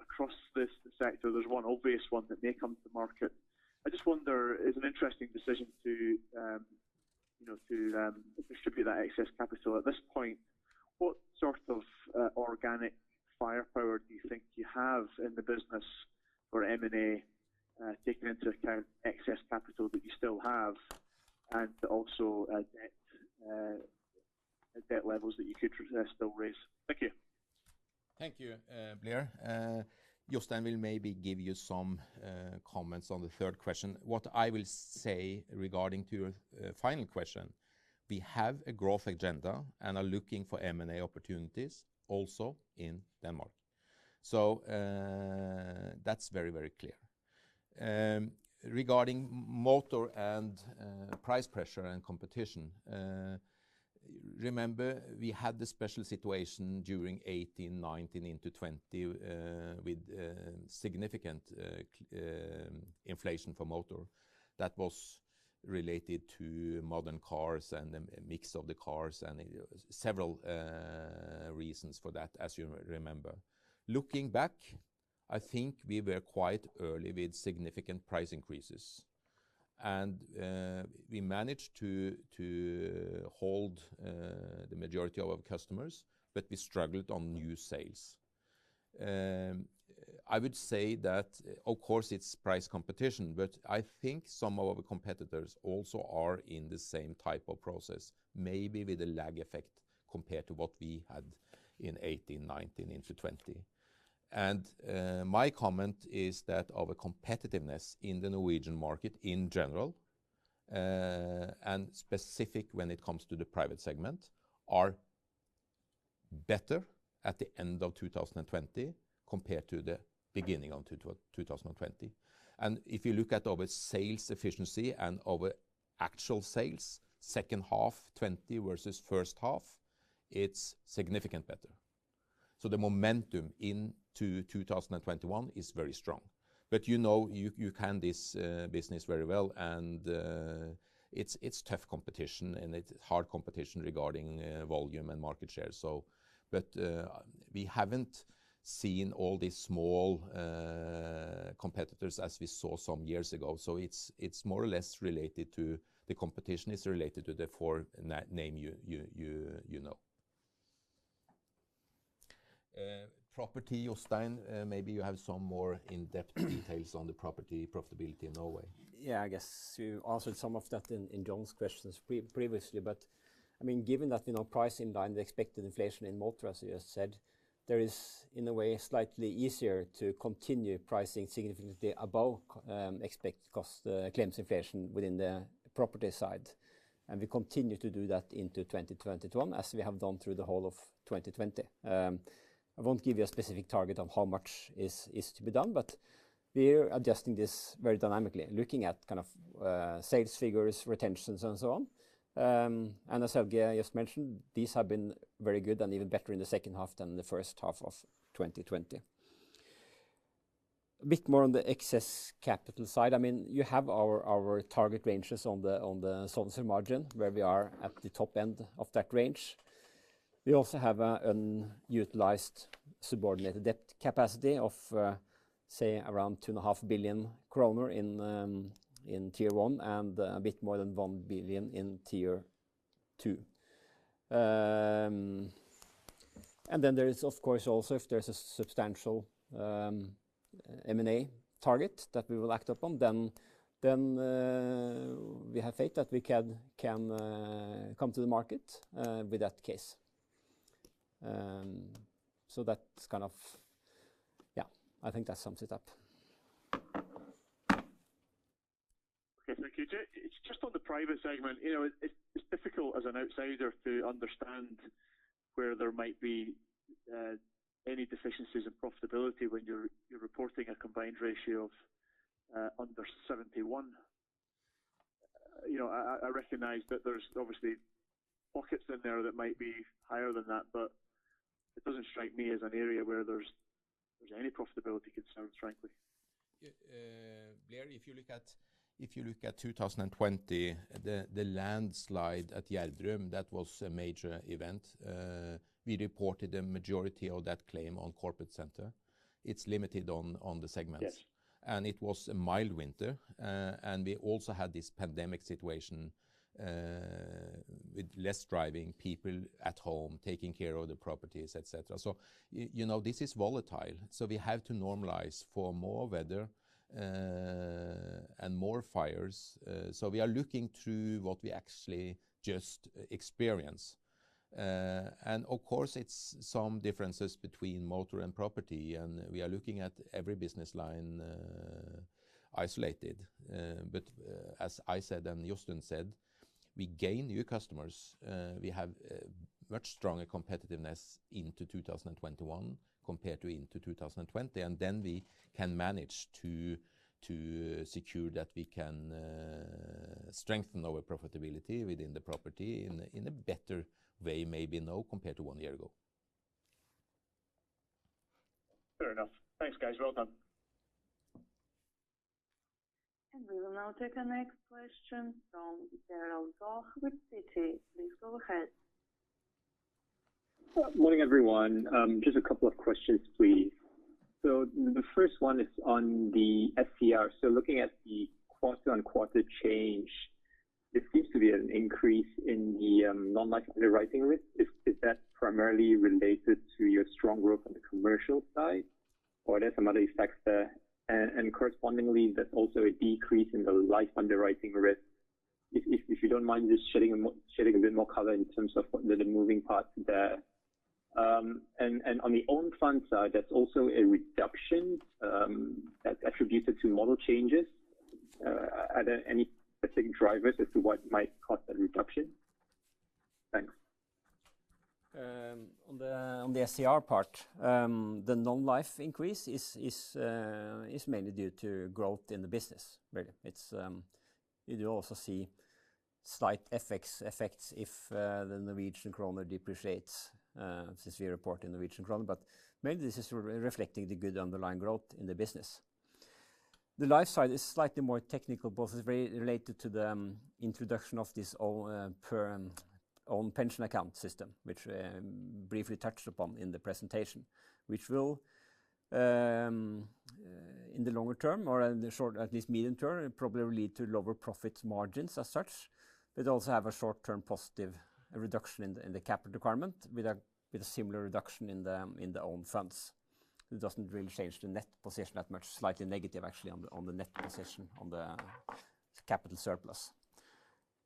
across this sector, there's one obvious one that may come to the market. I just wonder, it's an interesting decision to distribute that excess capital at this point. What sort of organic firepower do you think you have in the business for M&A, taking into account excess capital that you still have and also net debt levels that you could still raise? Thank you. Thank you, Blair. Jostein will maybe give you some comments on the third question. What I will say regarding to your final question, we have a growth agenda and are looking for M&A opportunities also in Denmark. That's very clear. Regarding motor and price pressure and competition, remember we had the special situation during 2018, 2019 into 2020 with significant inflation for motor that was related to modern cars and the mix of the cars and several reasons for that, as you remember. Looking back, I think we were quite early with significant price increases, and we managed to hold the majority of our customers, but we struggled on new sales. I would say that, of course, it's price competition, but I think some of our competitors also are in the same type of process, maybe with a lag effect compared to what we had in 2018, 2019 into 2020. My comment is that our competitiveness in the Norwegian market in general, and specific when it comes to the private segment, are better at the end of 2020 compared to the beginning of 2020. If you look at our sales efficiency and our actual sales, second half 2020 versus first half, it's significantly better. The momentum into 2021 is very strong. You know this business very well, and it's tough competition, and it's hard competition regarding volume and market share. We haven't seen all these small competitors as we saw some years ago. It's more or less related to the competition, it's related to the four name you know. Property, Jostein, maybe you have some more in-depth details on the property profitability in Norway. Yeah, I guess you answered some of that in John's questions previously, but given that price in line, the expected inflation in motor, as you just said, there is, in a way, slightly easier to continue pricing significantly above expected cost claims inflation within the property side. We continue to do that into 2021, as we have done through the whole of 2020. I won't give you a specific target of how much is to be done, but we're adjusting this very dynamically, looking at kind of sales figures, retentions, and so on. As Helge just mentioned, these have been very good and even better in the second half than the first half of 2020. A bit more on the excess capital side. You have our target ranges on the solvency margin, where we are at the top end of that range. We also have an unutilized subordinated debt capacity of, say, around 2.5 billion kroner in Tier 1, and a bit more than 1 billion in Tier 2. There is, of course, also if there's a substantial M&A target that we will act upon, then we have faith that we can come to the market with that case. I think that sums it up. Okay. Thank you. Just on the private segment, it's difficult as an outsider to understand where there might be any deficiencies in profitability when you're reporting a combined ratio of under 71%. I recognize that there's obviously pockets in there that might be higher than that, but it doesn't strike me as an area where there's any profitability concerns, frankly. Blair, if you look at 2020, the landslide at Gjerdrum, that was a major event. We reported a majority of that claim on corporate center. It's limited on the segments. It was a mild winter. We also had this pandemic situation, with less driving, people at home taking care of the properties, et cetera. This is volatile. We have to normalize for more weather and more fires. We are looking through what we actually just experience. Of course, it is some differences between motor and property, and we are looking at every business line isolated. As I said, and Jostein said, we gain new customers. We have much stronger competitiveness into 2021 compared to into 2020. Then we can manage to secure that we can strengthen our profitability within the property in a better way maybe now compared to one year ago. Fair enough. Thanks, guys. Well done. We will now take the next question from Gerald Goh with Citi. Please go ahead. Good morning, everyone. Just a couple of questions, please. The first one is on the SCR. Looking at the quarter-on-quarter change, there seems to be an increase in the non-life underwriting risk. Is that primarily related to your strong growth on the commercial side, or are there some other effects there? Correspondingly, that also a decrease in the life underwriting risk. If you don't mind just shedding a bit more color in terms of the moving parts there. On the own funds side, that's also a reduction that's attributed to model changes. Are there any specific drivers as to what might cause that reduction? Thanks. On the SCR part, the non-life increase is mainly due to growth in the business, really. You do also see slight effects if the Norwegian kroner depreciates, since we report in Norwegian kroner. Mainly, this is reflecting the good underlying growth in the business. The life side is slightly more technical, both is very related to the introduction of this own pension account system, which I briefly touched upon in the presentation. Which will, in the longer term, or in the short, at least medium term, probably lead to lower profit margins as such, but also have a short-term positive reduction in the capital requirement with a similar reduction in the own funds. It doesn't really change the net position that much, slightly negative, actually, on the net position on the capital surplus.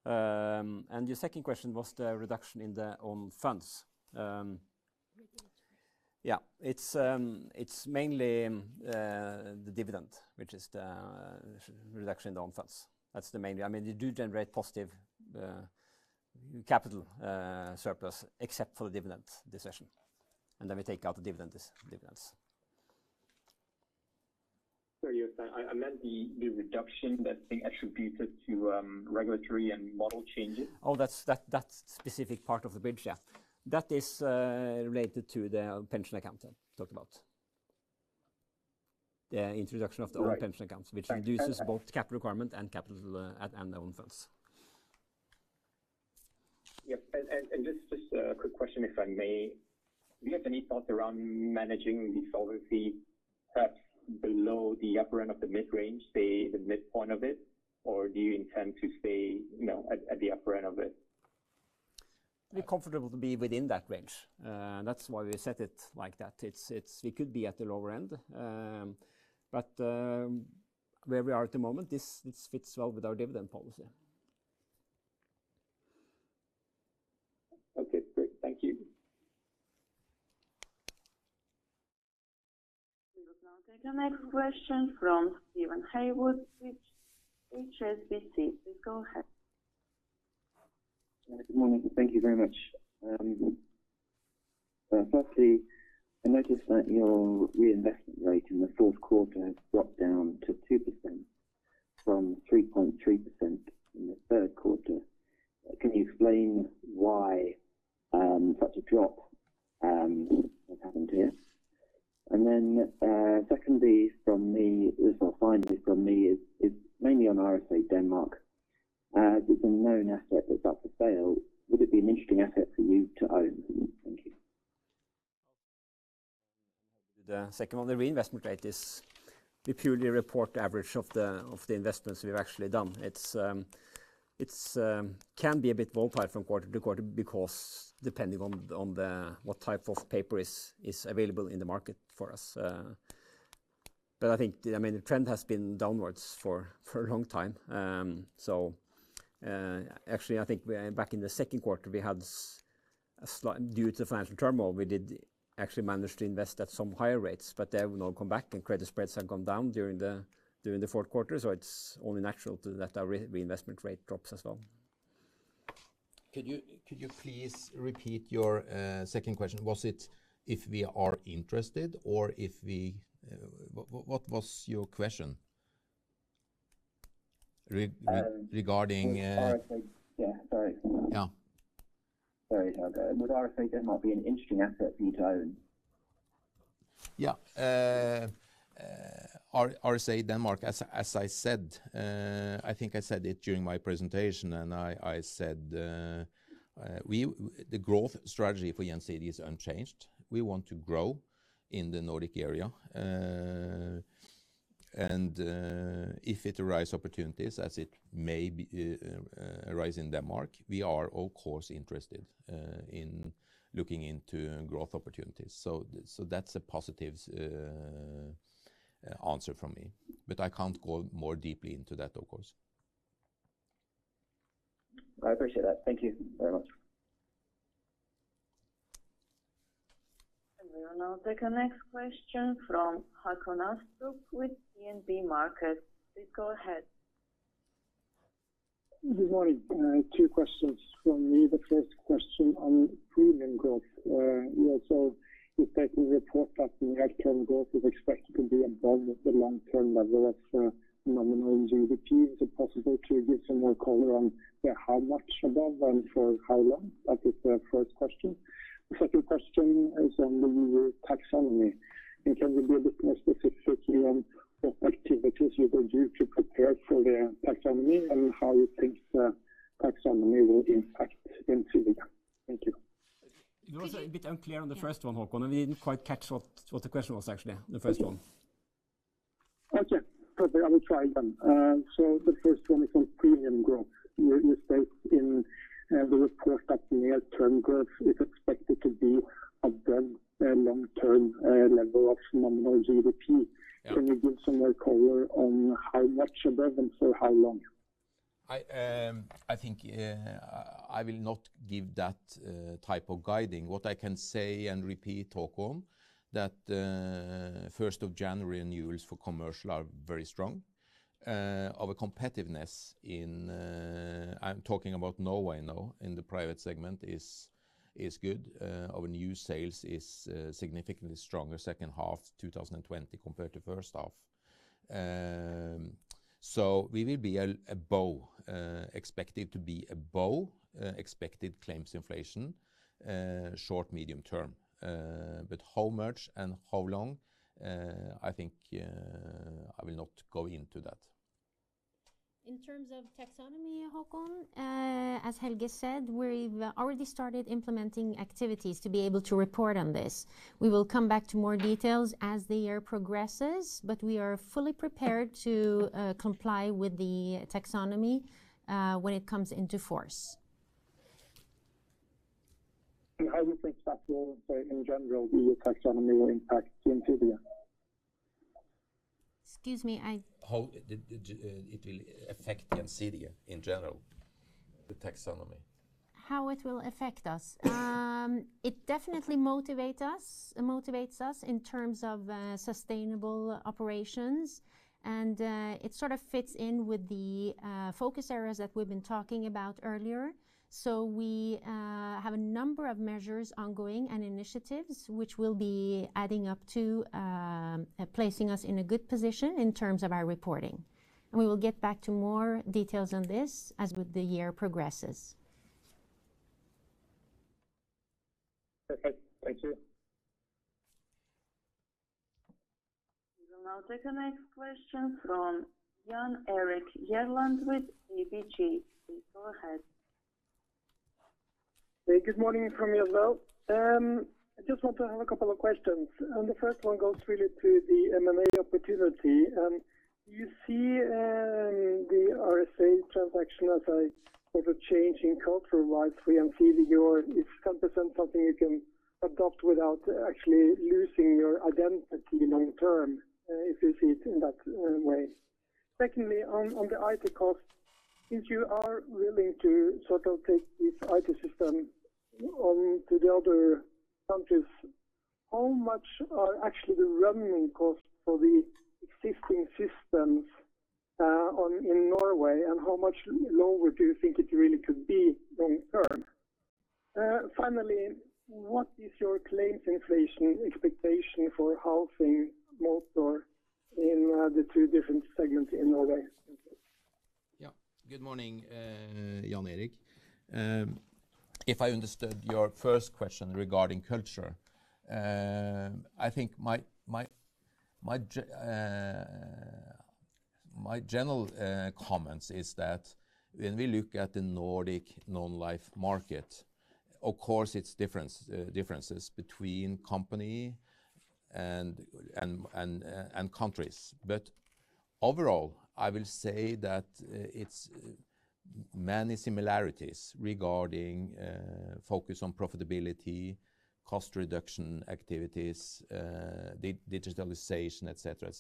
Your second question was the reduction in the own funds. It's mainly the dividend, which is the reduction in the own funds. That's the main way. You do generate positive capital surplus except for the dividend decision. We take out the dividends. Sorry, Jostein, I meant the reduction that's being attributed to regulatory and model changes. Oh, that specific part of the bridge, yeah. That is related to the Pension account I talked about. The introduction of the own pension accounts, which reduces both capital requirement and own funds. Right.Yep. Just a quick question, if I may. Do you have any thoughts around managing the solvency perhaps below the upper end of the mid-range, say the midpoint of it? Do you intend to stay, at the upper end of it? We're comfortable to be within that range. That's why we set it like that. We could be at the lower end, but where we are at the moment, this fits well with our dividend policy. Okay, great. Thank you. We will now take the next question from Steven Haywood with HSBC. Please go ahead. Good morning. Thank you very much. Firstly, I noticed that your reinvestment rate in the fourth quarter has dropped down to 2% from 3.3% in the third quarter. Can you explain why such a drop has happened here? Then secondly from me, or finally from me, is mainly on RSA Denmark. With the known asset that's up for sale, would it be an interesting asset for you to own? Thank you. The second one, the reinvestment rate is we purely report the average of the investments we've actually done. It can be a bit volatile from quarter to quarter because depending on what type of paper is available in the market for us. The trend has been downward for a long time. Actually, I think back in the second quarter, due to financial turmoil, we did actually manage to invest at some higher rates, but they have now come back, and credit spreads have gone down during the fourth quarter. It is only natural that our reinvestment rate drops as well. Could you please repeat your second question? Was it if we are interested or what was your question regarding? RSA. Yeah, sorry. Yeah. Sorry, Helge. Would RSA Denmark be an interesting asset for you to own? Yeah. RSA Denmark, as I said, I think I said it during my presentation, and I said the growth strategy for Gjensidige is unchanged. We want to grow in the Nordic area. If it arise opportunities, as it may arise in Denmark, we are of course interested in looking into growth opportunities. That's a positive answer from me, but I can't go more deeply into that, of course. I appreciate that. Thank you very much. We will now take the next question from Håkon Astrup with DNB Markets. Please go ahead. Good morning. Two questions from me. The first question on premium growth. You also state in the report that the near-term growth is expected to be above the long-term level of nominal GDP. Is it possible to give some more color on how much above and for how long? That is the first question. The second question is on the EU taxonomy. Can you be a bit more specific on what activities you will do to prepare for the taxonomy and how you think the taxonomy will impact Gjensidige? Thank you. You are a bit unclear on the first one, Håkon, and we didn't quite catch what the question was actually, the first one. Okay, perfect. I will try again. The first one is on premium growth. You state in the report that near-term growth is expected to be above the long-term level of nominal GDP. Yeah. Can you give some more color on how much above and for how long? I think I will not give that type of guiding. What I can say and repeat, Håkon, that 1st of January renewals for commercial are very strong. Our competitiveness in, I'm talking about Norway now, in the private segment is good. Our new sales is significantly stronger second half 2020 compared to first half. We will be above, expected to be above expected claims inflation, short, medium term. How much and how long, I think I will not go into that. In terms of taxonomy, Håkon, as Helge said, we've already started implementing activities to be able to report on this. We will come back to more details as the year progresses, but we are fully prepared to comply with the taxonomy when it comes into force. How do you think that will, in general, the EU taxonomy will impact Gjensidige? Excuse me. How it will affect Gjensidige in general, the taxonomy. How it will affect us. It definitely motivates us in terms of sustainable operations, and it sort of fits in with the focus areas that we've been talking about earlier. We have a number of measures ongoing and initiatives which we'll be adding up to, placing us in a good position in terms of our reporting. We will get back to more details on this as the year progresses. Perfect. Thank you. We will now take the next question from Jan Erik Gjerland with ABG. Please go ahead. Good morning from me as well. I just want to have a couple of questions. The first one goes really to the M&A opportunity. Do you see the RSA transaction as a change in culture, whereby Gjensidige or is it something you can adopt without actually losing your identity long term, if you see it in that way? Secondly, on the IT cost, since you are willing to take this IT system on to the other countries, how much are actually the running costs for the existing systems in Norway, and how much lower do you think it really could be long term? Finally, what is your claims inflation expectation for housing motor in the two different segments in Norway? Yeah. Good morning, Jan Erik. If I understood your first question regarding culture, I think my general comment is that when we look at the Nordic non-life market, of course, it's differences between company and countries. Overall, I will say that it's many similarities regarding focus on profitability, cost reduction activities, digitalization, et cetera.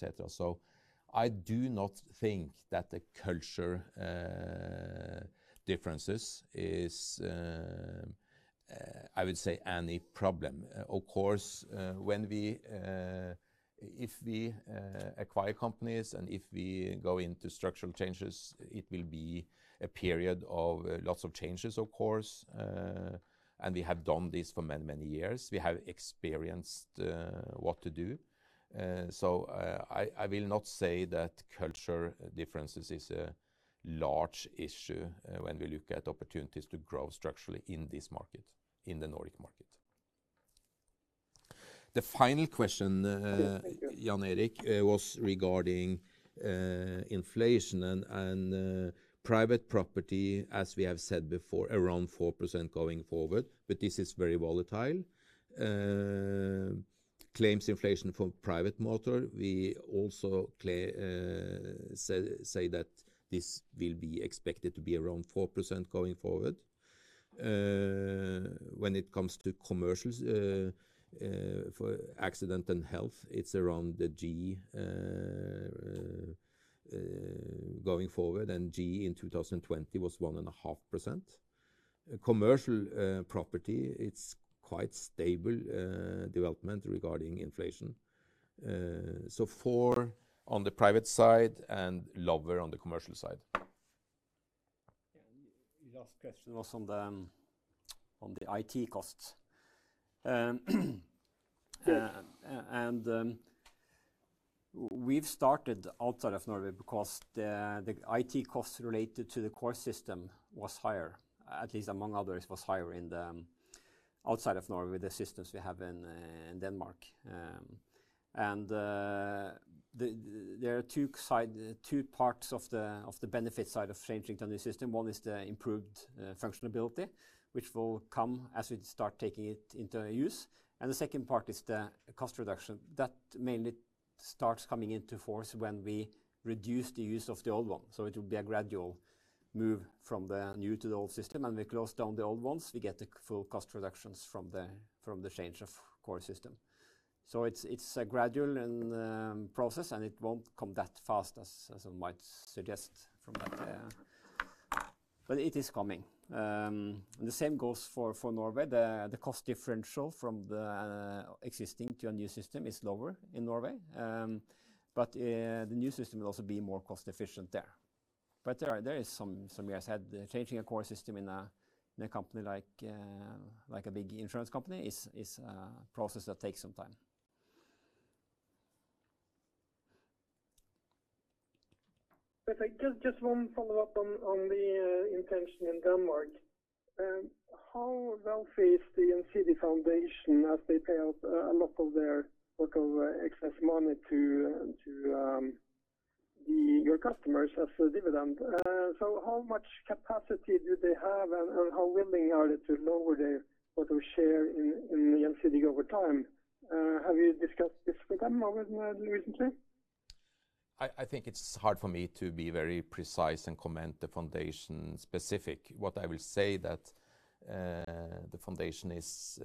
I do not think that the culture differences is, I would say, any problem. Of course, if we acquire companies and if we go into structural changes, it will be a period of lots of changes, of course, and we have done this for many years. We have experienced what to do. I will not say that culture differences is a large issue when we look at opportunities to grow structurally in this market, in the Nordic market. The final question. Jan Erik, was regarding inflation and private property, as we have said before, around 4% going forward. This is very volatile. Claims inflation for private motor, we also say that this will be expected to be around 4% going forward. When it comes to commercials, for accident and health, it's around the G going forward, and G in 2020 was 1.5%. Commercial property, it's quite stable development regarding inflation. Four on the private side and lower on the commercial side. Yeah. Your last question was on the IT costs. We've started outside of Norway because the IT costs related to the core system was higher, at least among others, was higher outside of Norway, the systems we have in Denmark. There are two parts of the benefit side of changing to the new system. One is the improved functionality, which will come as we start taking it into use, and the second part is the cost reduction. That mainly starts coming into force when we reduce the use of the old one. It will be a gradual move from the new to the old system, and we close down the old ones. We get the full cost reductions from the change of core system. It's a gradual process, and it won't come that fast as I might suggest from that. It is coming. The same goes for Norway. The cost differential from the existing to a new system is lower in Norway, but the new system will also be more cost-efficient there. There is some, as I said, changing a core system in a company like a big insurance company is a process that takes some time. Perfect. Just one follow-up on the intention in Denmark. How wealthy is the Gjensidige Foundation as they pay out a lot of their excess money to your customers as a dividend? How much capacity do they have, and how willing are they to lower their share in Gjensidige over time? Have you discussed this with them recently? I think it's hard for me to be very precise and comment the foundation specific. What I will say that the foundation is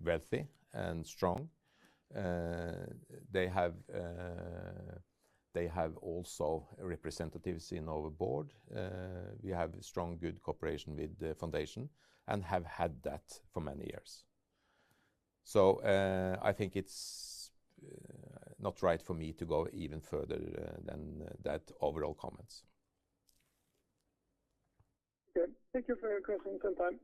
wealthy and strong. They have also representatives in our board. We have strong, good cooperation with the foundation and have had that for many years. I think it's not right for me to go even further than that overall comments. Okay. Thank you for your questions and time.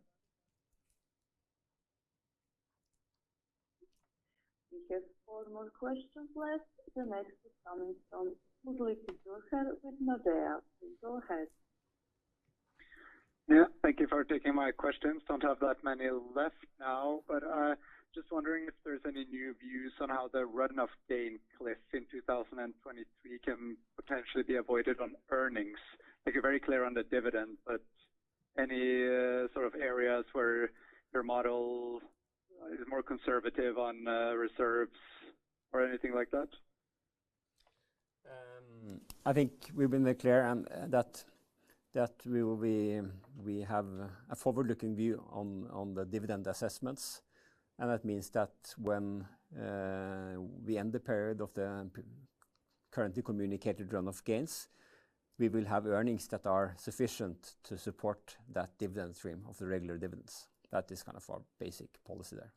We have four more questions left. The next is coming from with Mediobanca. Please go ahead. Yeah, thank you for taking my questions. Don't have that many left now, but just wondering if there's any new views on how the runoff Dane cliff in 2023 can potentially be avoided on earnings. Like you're very clear on the dividend, but any sort of areas where your model is it more conservative on reserves or anything like that? I think we've been clear that we have a forward-looking view on the dividend assessments, and that means that when we end the period of the currently communicated run-off gains, we will have earnings that are sufficient to support that dividend stream of the regular dividends. That is our basic policy there.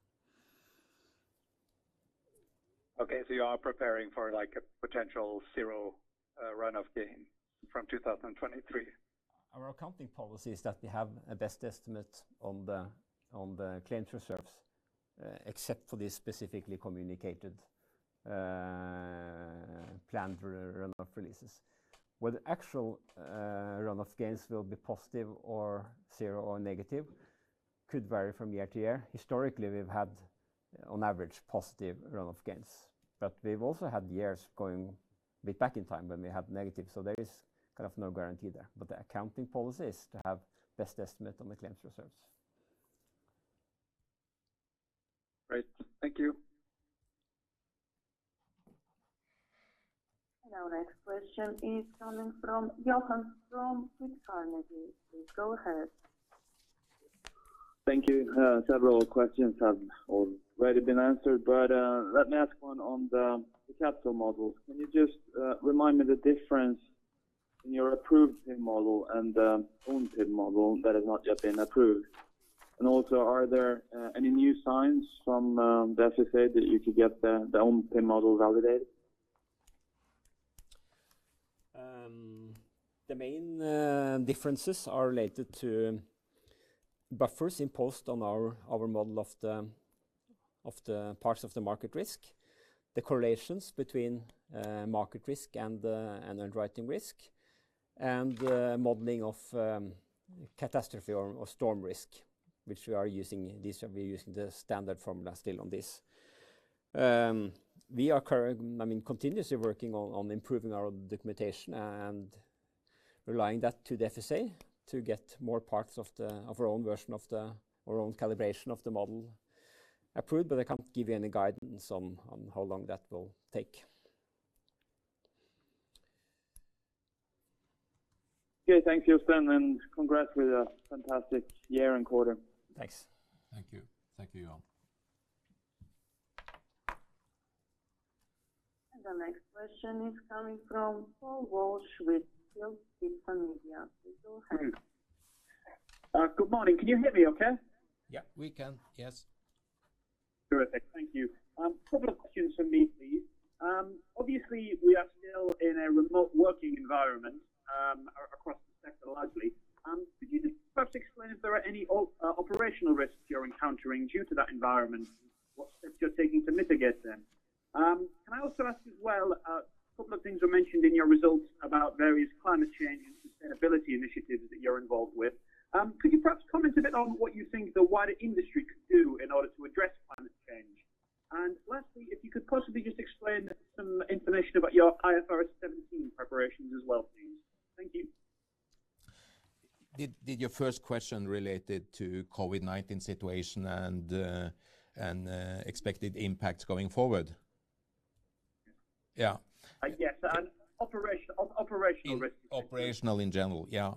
Okay, you are preparing for a potential zero run-off gain from 2023? Our accounting policy is that we have a best estimate on the claims reserves, except for the specifically communicated planned run-off releases. Whether the actual run-off gains will be positive or zero or negative could vary from year to year. Historically, we've had, on average, positive run-off gains, but we've also had years going a bit back in time when we had negative, so there is no guarantee there. The accounting policy is to have best estimate on the claims reserves. Great. Thank you. Our next question is coming from Johan from Swedbank. Please go ahead. Thank you. Several questions have already been answered, let me ask one on the capital model. Can you just remind me the difference in your approved PIM model and the own PIM model that has not yet been approved? Also, are there any new signs from the FSA that you could get the own PIM model validated? The main differences are related to buffers imposed on our model of the parts of the market risk, the correlations between market risk and underwriting risk, and the modeling of catastrophe or storm risk, which we are using the Standard Formula still on this. We are continuously working on improving our documentation and relying that to the FSA to get more parts of our own calibration of the model approved, but I can't give you any guidance on how long that will take. Okay. Thanks, Jostein, and congrats with a fantastic year and quarter. Thanks. Thank you. Thank you. The next question is coming from Paul Walsh with InsuranceERM. Please go ahead. Good morning. Can you hear me okay? Yeah, we can. Yes. Terrific. Thank you. Couple of questions from me, please. Obviously, we are still in a remote working environment, across the sector largely. Could you just perhaps explain if there are any operational risks you're encountering due to that environment and what steps you're taking to mitigate them? Can I also ask as well, a couple of things were mentioned in your results about various climate change and sustainability initiatives that you're involved with. Could you perhaps comment a bit on what you think the wider industry could do in order to address climate change? Lastly, if you could possibly just explain some information about your IFRS 17 preparations as well, please. Thank you. Did your first question related to COVID-19 situation and expected impact going forward? Yeah. Yes, operational risk. Operational in general. Yeah.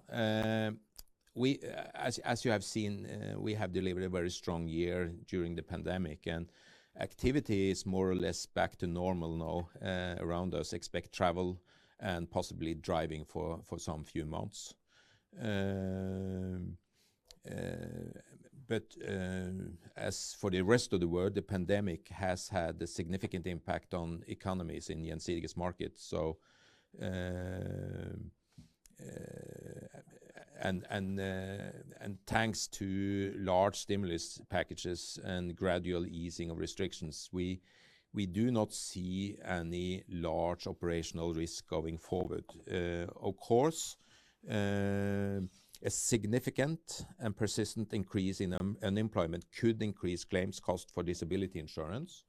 As you have seen, we have delivered a very strong year during the pandemic, and activity is more or less back to normal now around us. Expect travel and possibly driving for some few months. As for the rest of the world, the pandemic has had a significant impact on economies in Gjensidige's market. Thanks to large stimulus packages and gradual easing of restrictions, we do not see any large operational risk going forward. Of course, a significant and persistent increase in unemployment could increase claims cost for disability insurance.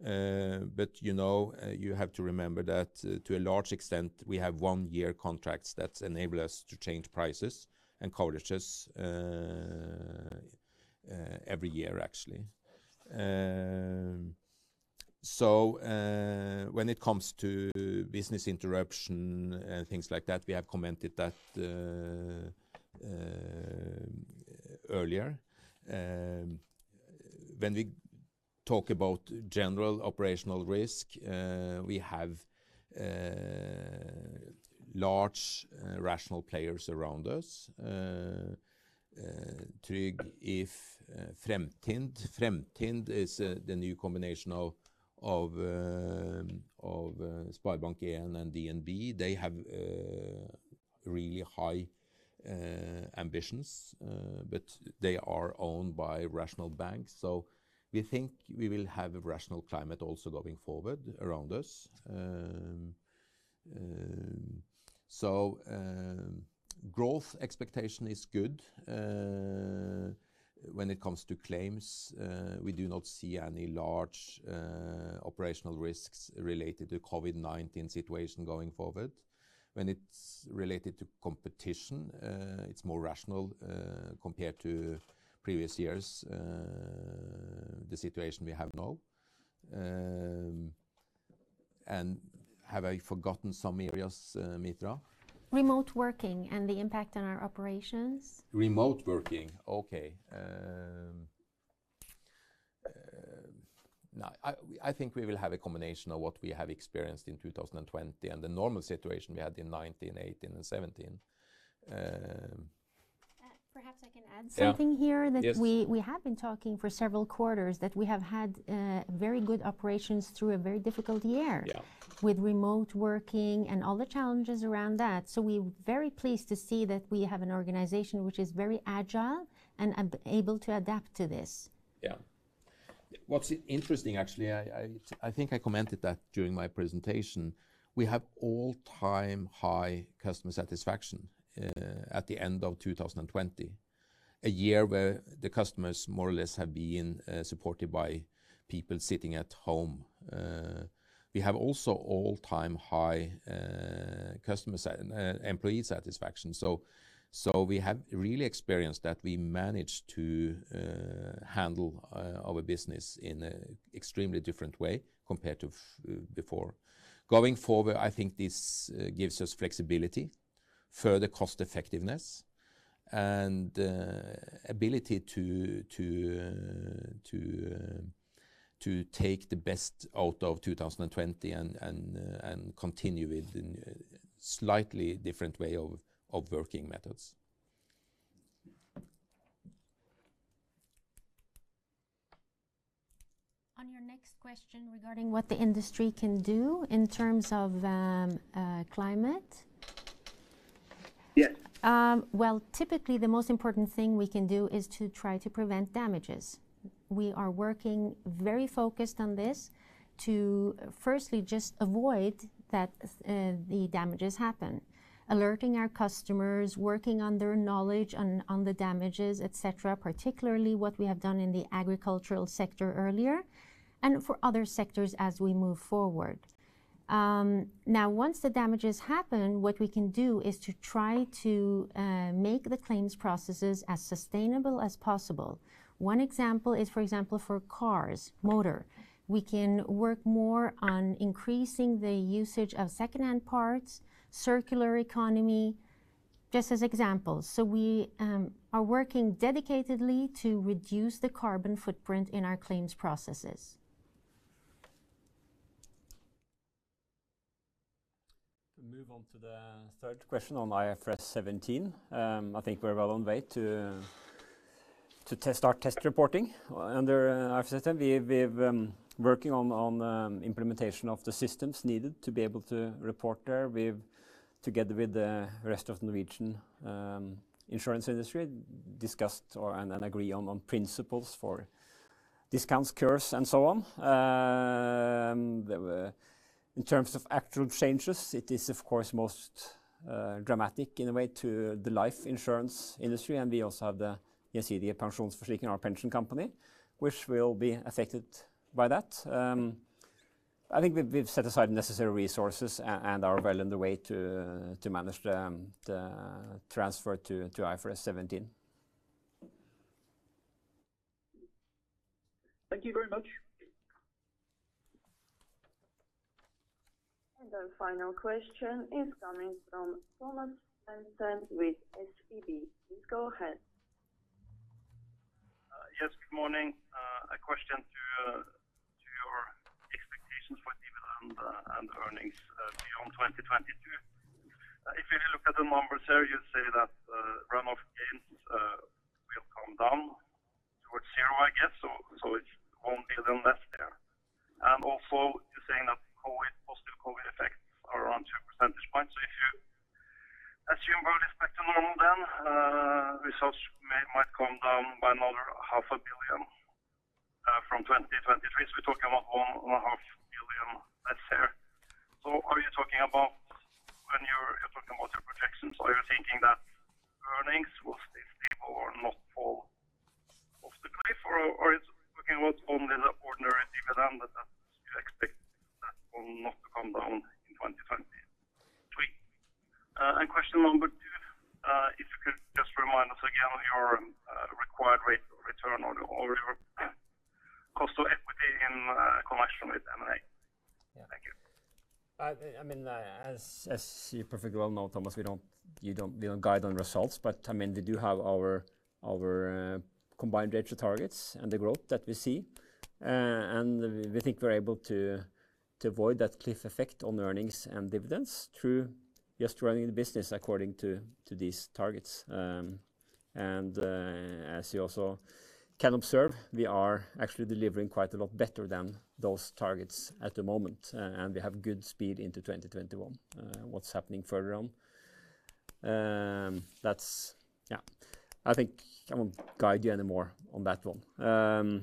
You have to remember that to a large extent, we have one-year contracts that enable us to change prices and coverages every year, actually. When it comes to business interruption and things like that, we have commented that earlier. When we talk about general operational risk, we have large rational players around us. Tryg, If, Fremtind. Fremtind is the new combination of SpareBank 1 and DNB. They have really high ambitions, but they are owned by rational banks. We think we will have a rational climate also going forward around us. Growth expectation is good. When it comes to claims, we do not see any large operational risks related to COVID-19 situation going forward. When it's related to competition, it's more rational, compared to previous years, the situation we have now. Have I forgotten some areas, Mitra? Remote working and the impact on our operations. Remote working. Okay. No, I think we will have a combination of what we have experienced in 2020 and the normal situation we had in 2019, 2018 and 2017. Perhaps I can add something here. Yes. We have been talking for several quarters that we have had very good operations through a very difficult year. Yeah. With remote working and all the challenges around that. We're very pleased to see that we have an organization which is very agile and able to adapt to this. Yeah. What's interesting, actually, I think I commented that during my presentation, we have all-time high customer satisfaction at the end of 2020. A year where the customers more or less have been supported by people sitting at home. We have also all-time high employee satisfaction. We have really experienced that we managed to handle our business in an extremely different way compared to before. Going forward, I think this gives us flexibility, further cost effectiveness, and ability to take the best out of 2020 and continue with slightly different way of working methods. On your next question regarding what the industry can do in terms of climate. Yeah. Well, typically, the most important thing we can do is to try to prevent damages. We are working very focused on this to firstly just avoid that the damages happen. Alerting our customers, working on their knowledge on the damages, et cetera. Particularly what we have done in the agricultural sector earlier, for other sectors as we move forward. Now, once the damages happen, what we can do is to try to make the claims processes as sustainable as possible. One example is, for example, for cars, motor. We can work more on increasing the usage of secondhand parts, circular economy, just as examples. We are working dedicatedly to reduce the carbon footprint in our claims processes. Move on to the third question on IFRS 17. I think we're well on way to start test reporting under IFRS 17. We've working on implementation of the systems needed to be able to report there. Together with the rest of Norwegian insurance industry, discussed and agree on principles for discounts, curves, and so on. In terms of actual changes, it is of course most dramatic in a way to the life insurance industry, and we also have the Gjensidige Pensjonsforsikring, our pension company, which will be affected by that. I think we've set aside necessary resources and are well on the way to manage the transfer to IFRS 17. Thank you very much. The final question is coming from Thomas Svendsen with SEB. Please go ahead. Yes, good morning. A question to your expectations for dividend and earnings beyond 2022. If you look at the numbers here, you say that runoff gains will come down towards zero, I guess. It's only the invest there. Also, you're saying that positive COVID effects are around two percentage points. If you assume growth is back to normal, then results might come down by another half a billion from 2023. We're talking about 1.5 billion that's there. When you're talking about your projections, are you thinking that earnings will stay stable or not fall off the cliff, or are you talking about only the ordinary dividend, that you expect that one not to come down in 2023? Question number two, if you could just remind us again of your required rate of return or your cost of equity in connection with M&A. Thank you. As you perfectly well know, Thomas, we don't guide on results, but we do have our combined ratio targets and the growth that we see. We think we're able to avoid that cliff effect on earnings and dividends through just running the business according to these targets. As you also can observe, we are actually delivering quite a lot better than those targets at the moment, and we have good speed into 2021. What's happening further on, I think I won't guide you anymore on that one. The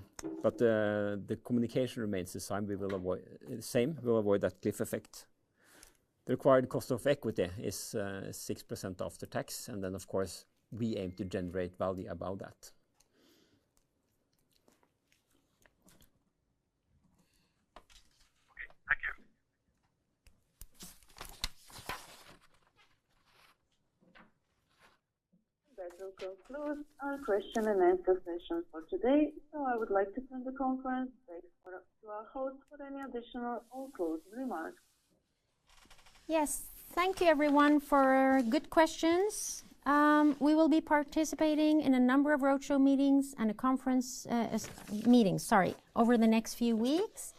communication remains the same. We will avoid that cliff effect. The required cost of equity is 6% after tax, of course, we aim to generate value above that. Okay. Thank you. That will conclude our question and answer session for today. I would like to turn the conference back to our host for any additional or closing remarks. Yes. Thank you everyone for good questions. We will be participating in a number of roadshow meetings and conference meetings over the next few weeks,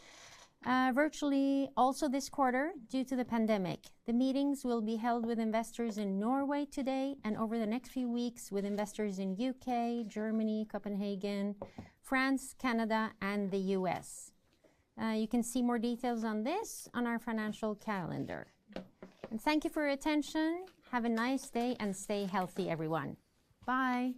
virtually also this quarter, due to the pandemic. The meetings will be held with investors in Norway today and over the next few weeks with investors in U.K., Germany, Copenhagen, France, Canada, and the U.S. You can see more details on this on our financial calendar. Thank you for your attention. Have a nice day and stay healthy everyone. Bye.